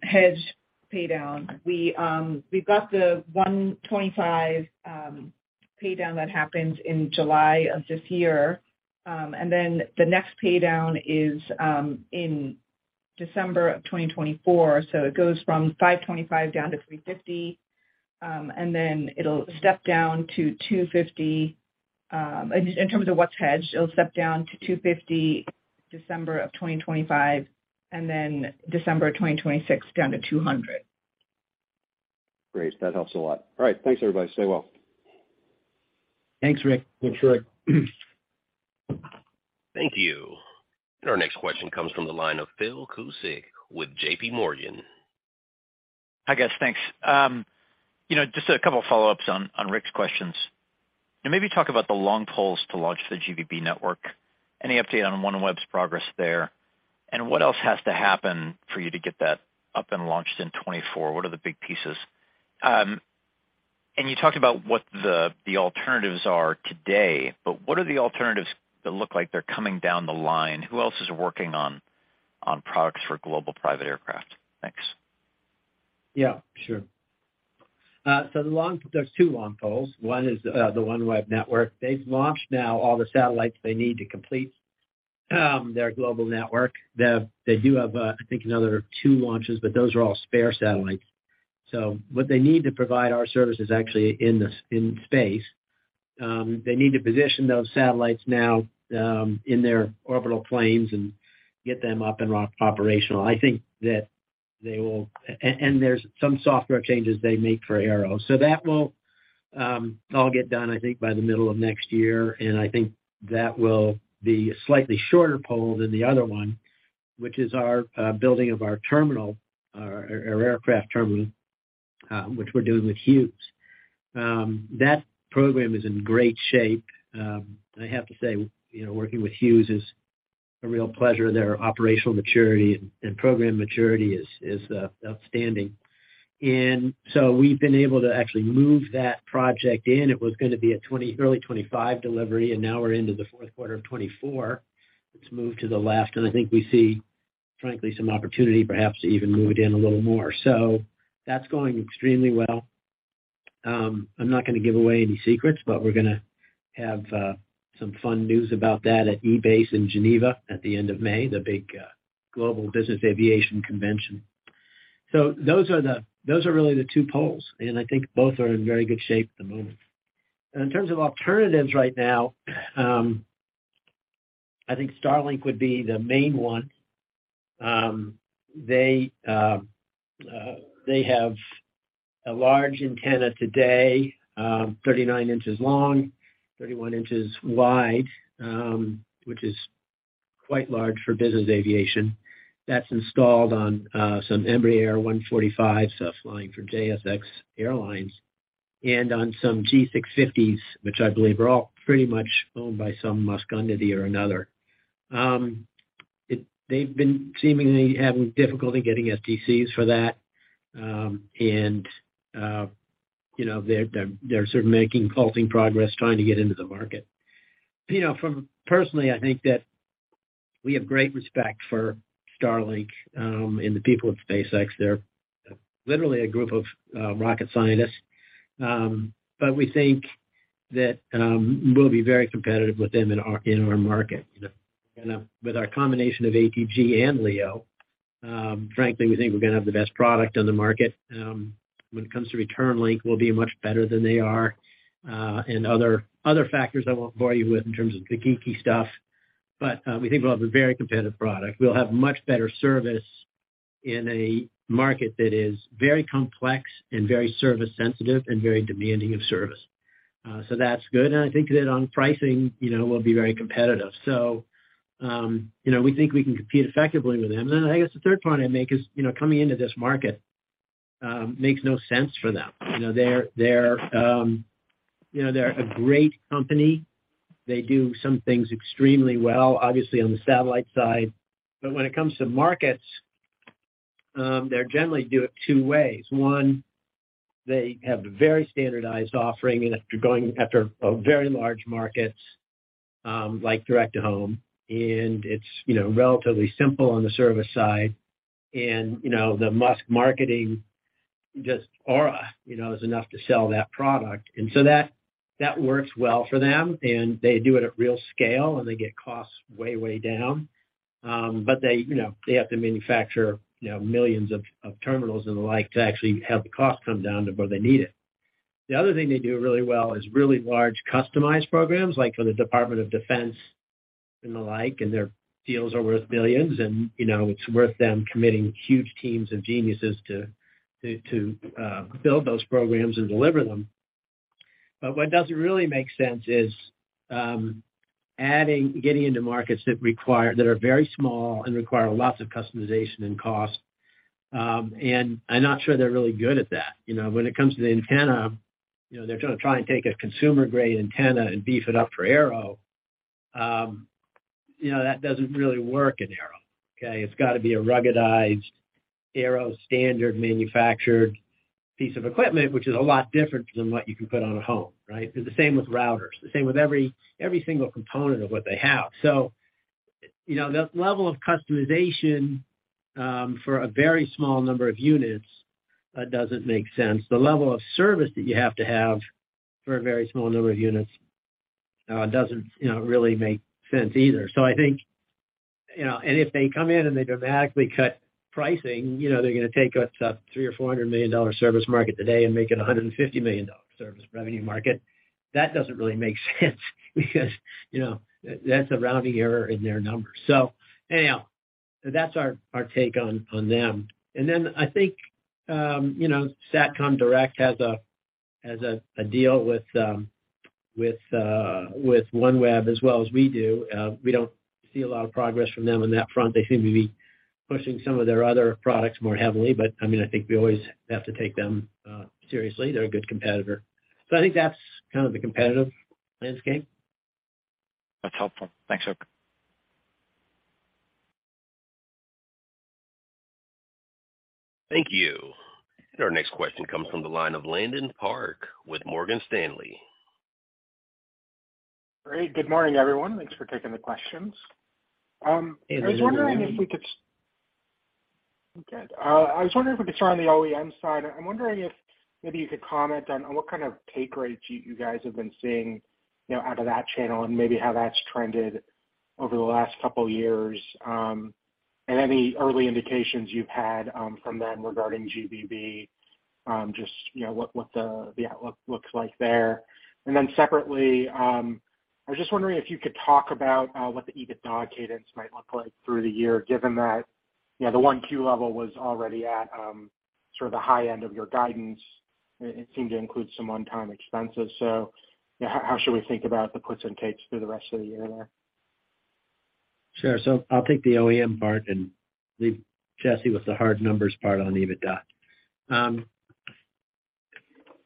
hedge pay down, we've got the $125 million pay down that happens in July of this year. Then the next pay down is in December of 2024. It goes from $525 down to $350, and then it'll step down to $250. In terms of what's hedged, it'll step down to $250 December 2025, and then December 2026 down to $200. Great. That helps a lot. All right. Thanks, everybody. Stay well. Thanks, Ric. Thanks, Troy. Thank you. Our next question comes from the line of Phil Cusick with JPMorgan. Hi, guys. Thanks. You know, just a couple follow-ups on Ric's questions. Can you maybe talk about the long poles to launch the GBB network? Any update on OneWeb's progress there? What else has to happen for you to get that up and launched in 2024? What are the big pieces? You talked about what the alternatives are today, what are the alternatives that look like they're coming down the line? Who else is working on products for global private aircraft? Thanks. Yeah, sure. There's two long poles. One is the OneWeb network. They've launched now all the satellites they need to complete their global network. They do have, I think another two launches, but those are all spare satellites. What they need to provide our service is actually in space. They need to position those satellites now, in their orbital planes and get them up and operational. There's some software changes they make for Aero. That will all get done, I think, by the middle of next year, and I think that will be a slightly shorter pole than the other one, which is our building of our terminal, our aircraft terminal, which we're doing with Hughes. That program is in great shape. I have to say, you know, working with Hughes is a real pleasure. Their operational maturity and program maturity is outstanding. We've been able to actually move that project in. It was gonna be a early 2025 delivery, and now we're into the fourth quarter of 2024. It's moved to the left, and I think we see, frankly, some opportunity perhaps to even move it in a little more. That's going extremely well. I'm not gonna give away any secrets, but we're gonna have some fun news about that at EBACE in Geneva at the end of May, the big global business aviation convention. Those are really the two poles, and I think both are in very good shape at the moment. In terms of alternatives right now, I think Starlink would be the main one. They have a large antenna today, 39 inches long, 31 inches wide, which is quite large for business aviation. That's installed on some Embraer 145s, flying for JSX Airlines and on some G650s, which I believe are all pretty much owned by some Musk entity or another. They've been seemingly having difficulty getting STCs for that. You know, they're sort of making halting progress trying to get into the market. You know, personally, I think that we have great respect for Starlink, and the people at SpaceX. They're literally a group of rocket scientists. We think that we'll be very competitive with them in our market. You know, with our combination of ATG and LEO, frankly, we think we're gonna have the best product on the market. When it comes to return link, we'll be much better than they are. Other factors I won't bore you with in terms of the geeky stuff, but we think we'll have a very competitive product. We'll have much better service in a market that is very complex and very service sensitive and very demanding of service. That's good. I think that on pricing, you know, we'll be very competitive. We think we can compete effectively with them. I guess the third point I'd make is, you know, coming into this market, makes no sense for them. You know, they're, you know, they're a great company. They do some things extremely well, obviously, on the satellite side. When it comes to markets, they generally do it two ways. One, they have a very standardized offering, and they're going after a very large markets, like direct to home. It's, you know, relatively simple on the service side. You know, the Musk marketing just aura, you know, is enough to sell that product. So that works well for them, and they do it at real scale, and they get costs way down. They, you know, they have to manufacture, you know, millions of terminals and the like to actually have the cost come down to where they need it. The other thing they do really well is really large customized programs, like for the Department of Defense and the like, and their deals are worth billions, and, you know, it's worth them committing huge teams of geniuses to build those programs and deliver them. What doesn't really make sense is getting into markets that are very small and require lots of customization and cost. I'm not sure they're really good at that. You know, when it comes to the antenna, you know, they're gonna try and take a consumer-grade antenna and beef it up for aero. You know, that doesn't really work in aero, okay. It's gotta be a ruggedized aero standard manufactured piece of equipment, which is a lot different than what you can put on a home, right. The same with routers, the same with every single component of what they have. You know, the level of customization for a very small number of units doesn't make sense. The level of service that you have to have for a very small number of units doesn't, you know, really make sense either. I think, you know, if they come in and they dramatically cut pricing, you know, they're gonna take what's a $300 million or $400 million service market today and make it a $150 million service revenue market. That doesn't really make sense because, you know, that's a rounding error in their numbers. Anyhow, that's our take on them. I think, you know, Satcom Direct has a deal with OneWeb as well as we do. We don't see a lot of progress from them on that front. They seem to be pushing some of their other products more heavily. I mean, I think we always have to take them seriously. They're a good competitor. I think that's kind of the competitive landscape. That's helpful. Thanks, Oak. Thank you. Our next question comes from the line of Landon Park with Morgan Stanley. Great. Good morning, everyone. Thanks for taking the questions. Good morning. Okay. I was wondering if we could start on the OEM side. I'm wondering if maybe you could comment on what kind of take rates you guys have been seeing, you know, out of that channel and maybe how that's trended over the last couple years, and any early indications you've had from them regarding GBB, just, you know, what the outlook looks like there. Separately, I was just wondering if you could talk about what the EBITDA cadence might look like through the year, given that, you know, the Q1 level was already at sort of the high end of your guidance. It, it seemed to include some one-time expenses. You know, how should we think about the puts and takes through the rest of the year there? Sure. I'll take the OEM part and leave Jessi with the hard numbers part on EBITDA.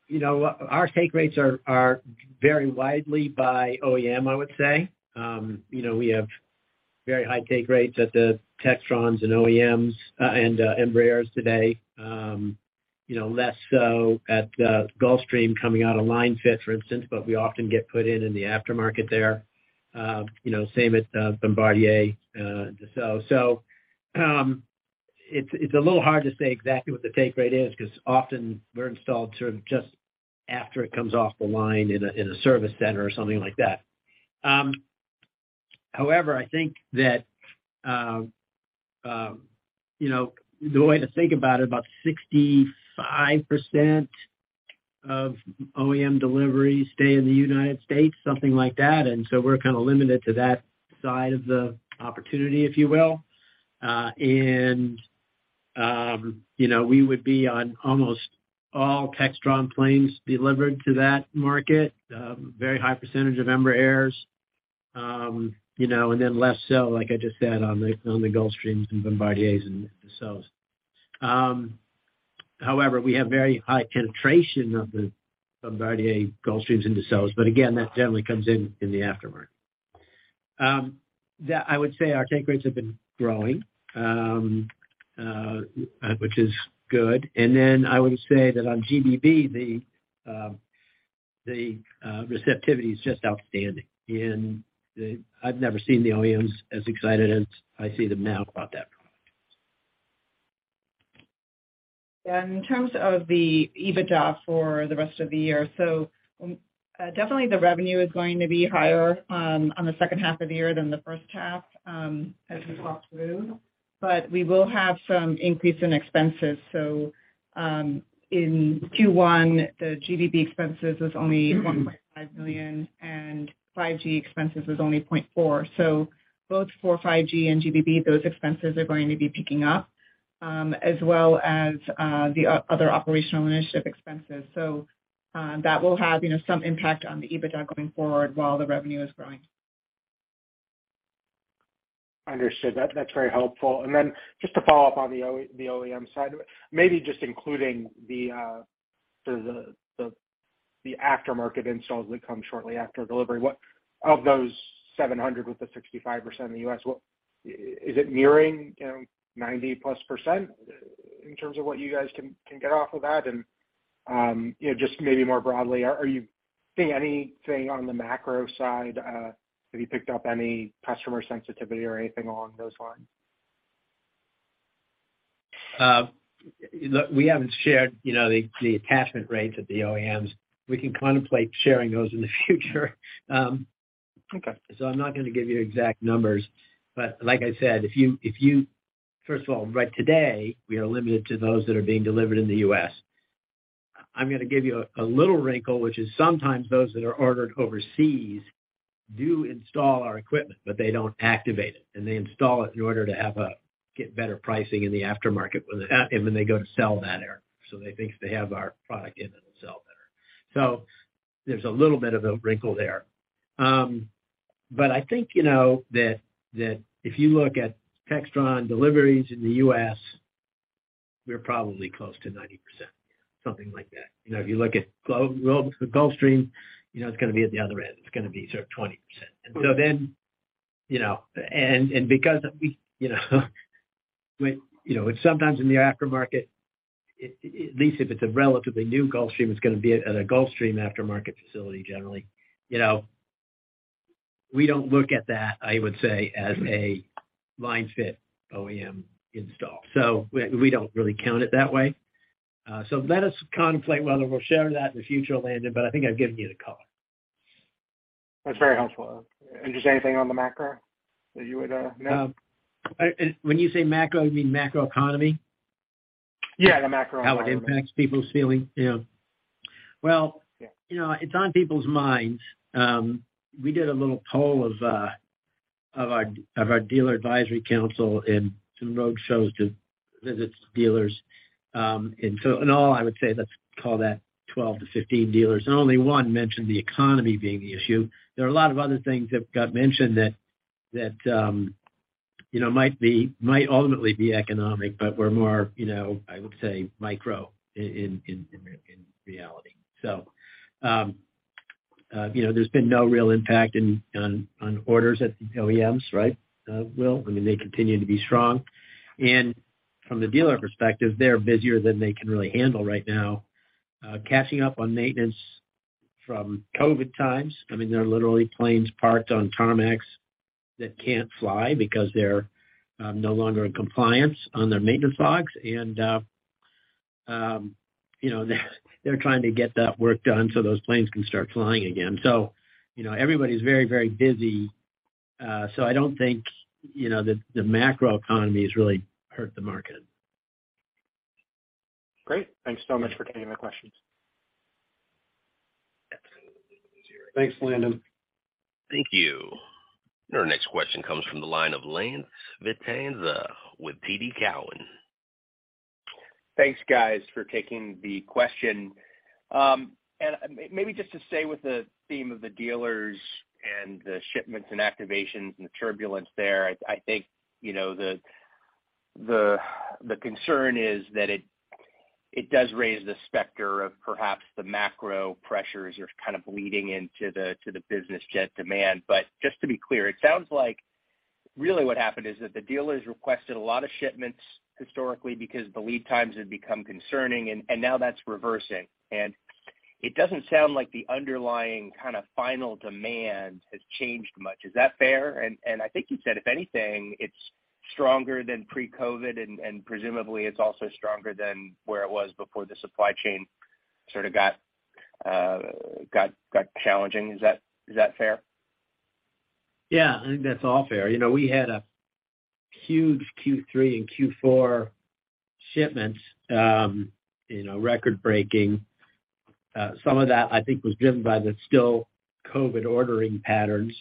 you know, our take rates are varying widely by OEM, I would say. you know, we have very high take rates at the Textron and OEMs, and Embraer today. you know, less so at the Gulfstream coming out of line fit, for instance, but we often get put in in the aftermarket there. you know, same with Bombardier, Dassault. it's a little hard to say exactly what the take rate is 'cause often they're installed sort of just after it comes off the line in a, in a service center or something like that. However, I think that, you know, the way to think about it, about 65% of OEM deliveries stay in the United States, something like that, so we're kinda limited to that side of the opportunity, if you will. You know, we would be on almost all Textron planes delivered to that market, very high percentage of Embraers, you know, and then less so, like I just said, on the, on the Gulfstreams and Bombardiers and Dassaults. However, we have very high penetration of the Bombardier Gulfstreams and Dassaults, again, that generally comes in in the aftermarket. Yeah, I would say our take rates have been growing, which is good. I would say that on GBB, the receptivity is just outstanding, and I've never seen the OEMs as excited as I see them now about that product. Yeah. In terms of the EBITDA for the rest of the year, definitely the revenue is going to be higher on the second half of the year than the first half, as we talked through. We will have some increase in expenses. In Q1, the GBB expenses was only $1.5 million, and 5G expenses was only $0.4 million. Both for 5G and GBB, those expenses are going to be picking up, as well as the other operational initiative expenses. That will have, you know, some impact on the EBITDA going forward while the revenue is growing. Understood. That's very helpful. Then just to follow up on the OEM side, maybe just including the aftermarket installs that come shortly after delivery. Of those 700 with the 65% in the US, is it nearing, you know, 90%+ in terms of what you guys can get off of that? Just maybe more broadly, are you seeing anything on the macro side? Have you picked up any customer sensitivity or anything along those lines? Look, we haven't shared, you know, the attachment rates at the OEMs. We can contemplate sharing those in the future. Okay. I'm not gonna give you exact numbers. Like I said, if you, First of all, right today, we are limited to those that are being delivered in the U.S. I'm gonna give you a little wrinkle, which is sometimes those that are ordered overseas do install our equipment, but they don't activate it, and they install it in order to get better pricing in the aftermarket when they go to sell that air. They think if they have our product in it'll sell better. There's a little bit of a wrinkle there. I think you know that, if you look at Textron deliveries in the U.S., we're probably close to 90%, something like that. You know, if you look at Gulfstream, you know it's gonna be at the other end. It's gonna be sort of 20%. You know, because of we, you know, we, you know, it's sometimes in the aftermarket, at least if it's a relatively new Gulfstream, it's gonna be at a Gulfstream aftermarket facility generally. You know, we don't look at that, I would say, as a line-fit OEM install. We don't really count it that way. Let us conflate whether we'll share that in the future, Landon, but I think I've given you the color. That's very helpful. Just anything on the macro that you would know? When you say macro, you mean macro economy? Yeah, the macro economy. How it impacts people's feeling? Yeah. Yeah. You know, it's on people's minds. We did a little poll of our dealer advisory council in some roadshows to visit dealers. In all, I would say, let's call that 12 to 15 dealers, and only one mentioned the economy being the issue. There are a lot of other things that got mentioned that, you know, might ultimately be economic, but we're more, you know, I would say micro in reality. You know, there's been no real impact on orders at the OEMs, right, Will? I mean, they continue to be strong. From the dealer perspective, they're busier than they can really handle right now, catching up on maintenance from COVID times. I mean, there are literally planes parked on tarmacs that can't fly because they're no longer in compliance on their maintenance logs and, you know, they're trying to get that work done so those planes can start flying again. You know, everybody's very busy, so I don't think, you know, the macro economy has really hurt the market. Great. Thanks so much for taking my questions. Yes. Thanks, Landon. Thank you. Our next question comes from the line of Lance Vitanza with TD Cowen. Thanks, guys, for taking the question. Maybe just to stay with the theme of the dealers and the shipments and activations and the turbulence there, I think, you know, the concern is that it does raise the specter of perhaps the macro pressures are kind of bleeding into the business jet demand. Just to be clear, it sounds like really what happened is that the dealers requested a lot of shipments historically because the lead times had become concerning, and now that's reversing. It doesn't sound like the underlying kind of final demand has changed much. Is that fair? I think you said, if anything, it's stronger than pre-COVID and presumably it's also stronger than where it was before the supply chain sort of got challenging. Is that fair? Yeah, I think that's all fair. You know, we had a huge Q3 and Q4 shipments, record-breaking. Some of that I think was driven by the still COVID ordering patterns.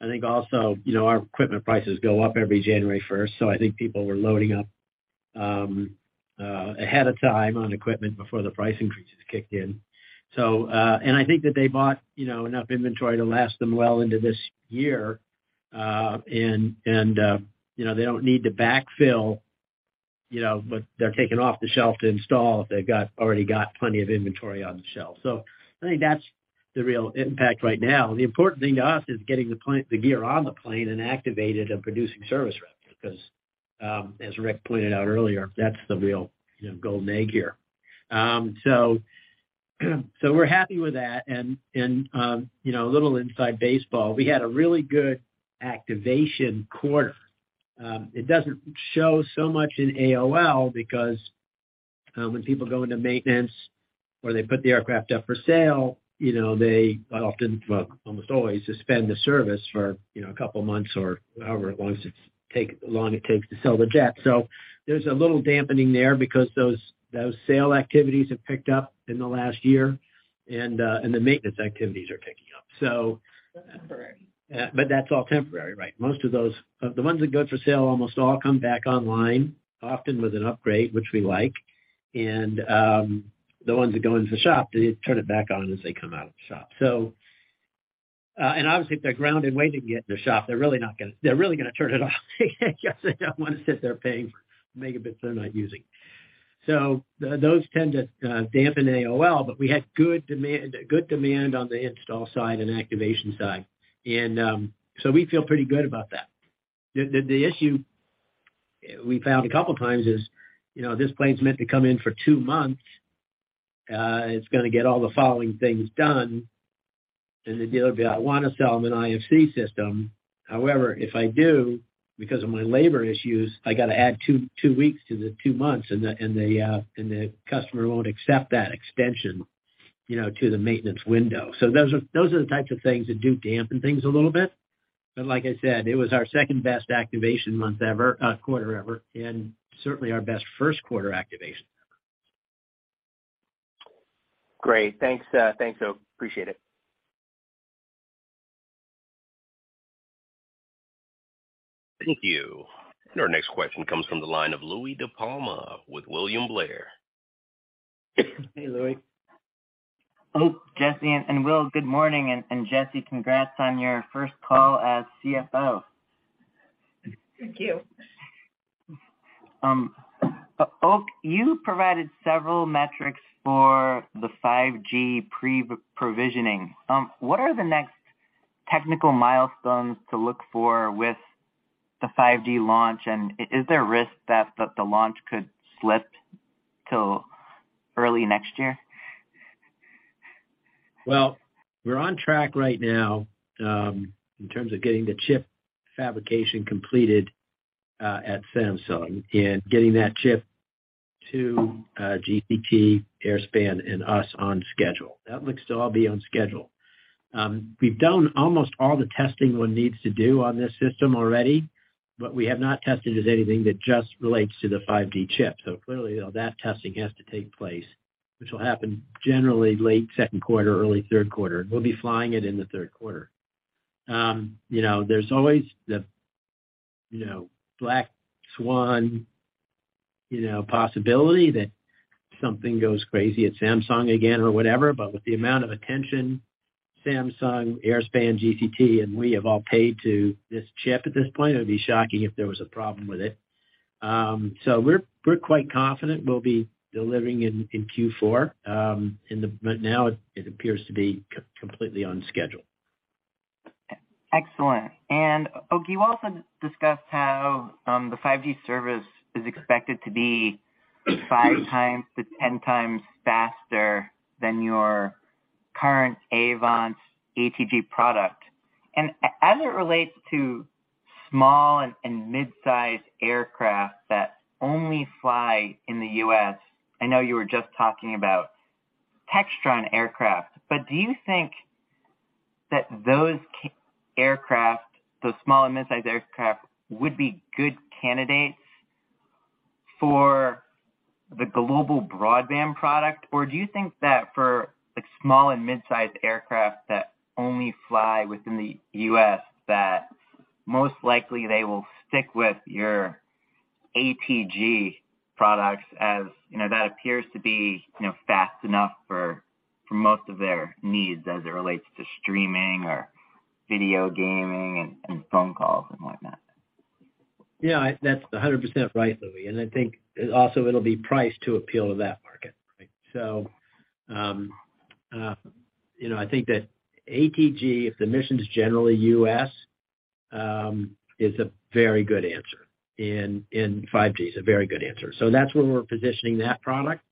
I think also, you know, our equipment prices go up every January 1st, so I think people were loading up ahead of time on equipment before the price increases kicked in. I think that they bought, you know, enough inventory to last them well into this year, and, you know, they don't need to backfill, you know, but they're taking off the shelf to install if they've already got plenty of inventory on the shelf. I think that's the real impact right now. The important thing to us is getting the gear on the plane and activated and producing service revenue because, as Ric pointed out earlier, that's the real, you know, golden egg here. We're happy with that. A little inside baseball, we had a really good activation quarter. It doesn't show so much in AOL because when people go into maintenance or they put the aircraft up for sale, you know, they often, well, almost always suspend the service for, you know, a couple of months or however long it takes to sell the jet. There's a little dampening there because those sale activities have picked up in the last year and the maintenance activities are picking up. That's temporary. That's all temporary, right. Most of those, the ones that go for sale almost all come back online, often with an upgrade, which we like. The ones that go into the shop, they turn it back on as they come out of the shop. Obviously, if they're grounded waiting to get in the shop, they're really gonna turn it off. Because they don't wanna sit there paying for megabits they're not using. Those tend to dampen AOL, but we had good demand on the install side and activation side. We feel pretty good about that. The issue we found a couple times is, you know, this plane's meant to come in for two months, it's gonna get all the following things done. The dealer will be, "I wanna sell them an IFC system. However, if I do, because of my labor issues, I gotta add two weeks to the two months, and the, and the customer won't accept that extension, you know, to the maintenance window." Those are the types of things that do dampen things a little bit. Like I said, it was our second-best activation month ever, quarter ever, and certainly our best first-quarter activation. Great. Thanks. Thanks, Oak. Appreciate it. Thank you. Our next question comes from the line of Louie DiPalma with William Blair. Hey, Louie. Oak, Jessie, and Will, good morning. Jessie, congrats on your first call as CFO. Thank you. Oak, you provided several metrics for the 5G pre-provisioning. What are the next technical milestones to look for with the 5G launch? Is there a risk that the launch could slip till early next year? Well, we're on track right now, in terms of getting the chip fabrication completed, at Samsung and getting that chip to GCT, Airspan, and us on schedule. That looks to all be on schedule. We've done almost all the testing one needs to do on this system already, but we have not tested it with anything that just relates to the 5G chip. Clearly, all that testing has to take place, which will happen generally late second quarter, early third quarter. We'll be flying it in the third quarter. You know, there's always the, you know, black swan, you know, possibility that something goes crazy at Samsung again or whatever. With the amount of attention Samsung, Airspan, GCT, and we have all paid to this chip at this point, it would be shocking if there was a problem with it. We're quite confident we'll be delivering in Q4. Now it appears to be completely on schedule. Excellent. Oak, you also discussed how the 5G service is expected to be 5 times to 10 times faster than your current AVANCE ATG product. As it relates to small and midsize aircraft that only fly in the U.S., I know you were just talking about Textron aircraft, but do you think that those aircraft, those small and midsize aircraft, would be good candidates for the global broadband product? Or do you think that for, like, small and midsize aircraft that only fly within the U.S., that most likely they will stick with your ATG products as, you know, that appears to be, you know, fast enough for most of their needs as it relates to streaming or video gaming and phone calls and whatnot? That's 100% right, Louie, I think also it'll be priced to appeal to that market. You know, I think that ATG, if the mission's generally US, is a very good answer, and 5G is a very good answer. That's where we're positioning that product.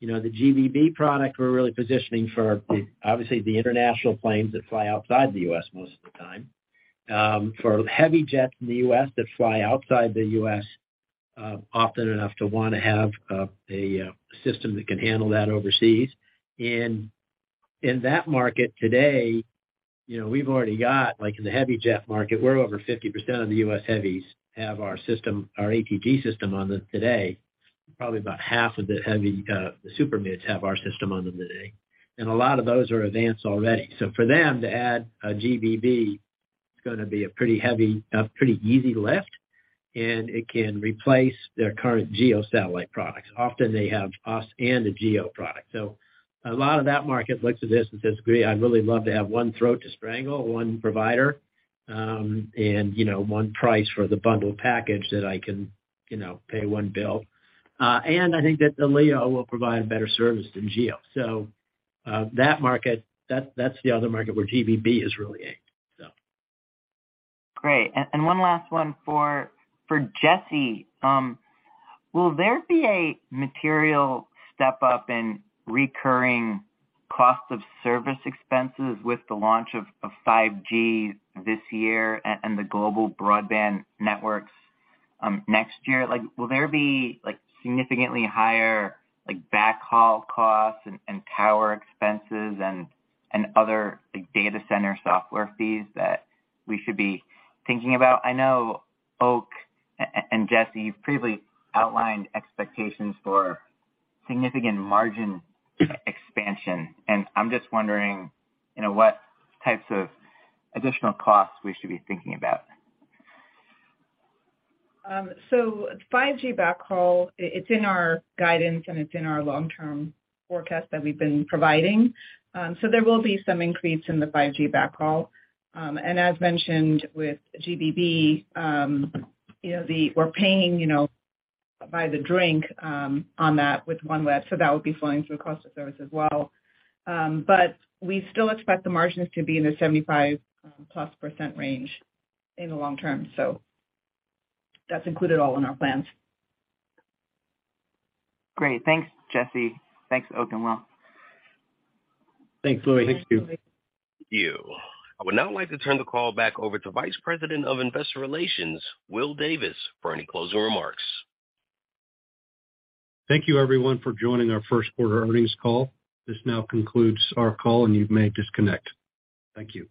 You know, the GBB product, we're really positioning for the, obviously, the international planes that fly outside the US most of the time. For heavy jets in the US that fly outside the US often enough to wanna have a system that can handle that overseas. In that market today, you know, we've already got, like in the heavy jet market, we're over 50% of the US heavies have our system, our ATG system on them today. Probably about half of the heavy, the super mids have our system on them today. A lot of those are AVANCE already. For them to add a GBB, it's going to be a pretty easy lift, and it can replace their current GEO satellite products. Often they have us and a GEO product. A lot of that market looks at this and says, "Great, I'd really love to have one throat to strangle, one provider, and you know, one price for the bundle package that I can, you know, pay one bill." I think that the LEO will provide better service than GEO. That market, that's the other market where GBB is really aimed, so. Great. One last one for Jessie. Will there be a material step up in recurring cost of service expenses with the launch of 5G this year and the global broadband networks next year? Like, will there be, like, significantly higher, like, backhaul costs and tower expenses and other, like, data center software fees that we should be thinking about? I know, Oak and Jessie, you've previously outlined expectations for significant margin expansion. I'm just wondering, you know, what types of additional costs we should be thinking about. 5G backhaul, it's in our guidance, and it's in our long-term forecast that we've been providing. There will be some increase in the 5G backhaul. As mentioned with GBB, you know, we're paying, you know, by the drink on that with OneWeb, that would be flowing through cost of service as well. We still expect the margins to be in the 75%+ range in the long term. That's included all in our plans. Great. Thanks, Jessie. Thanks, Oak and Will. Thanks, Louie. Thanks, Louie. Thank you. I would now like to turn the call back over to Vice President of Investor Relations, Will Davis, for any closing remarks. Thank you, everyone, for joining our first quarter earnings call. This now concludes our call, and you may disconnect. Thank you.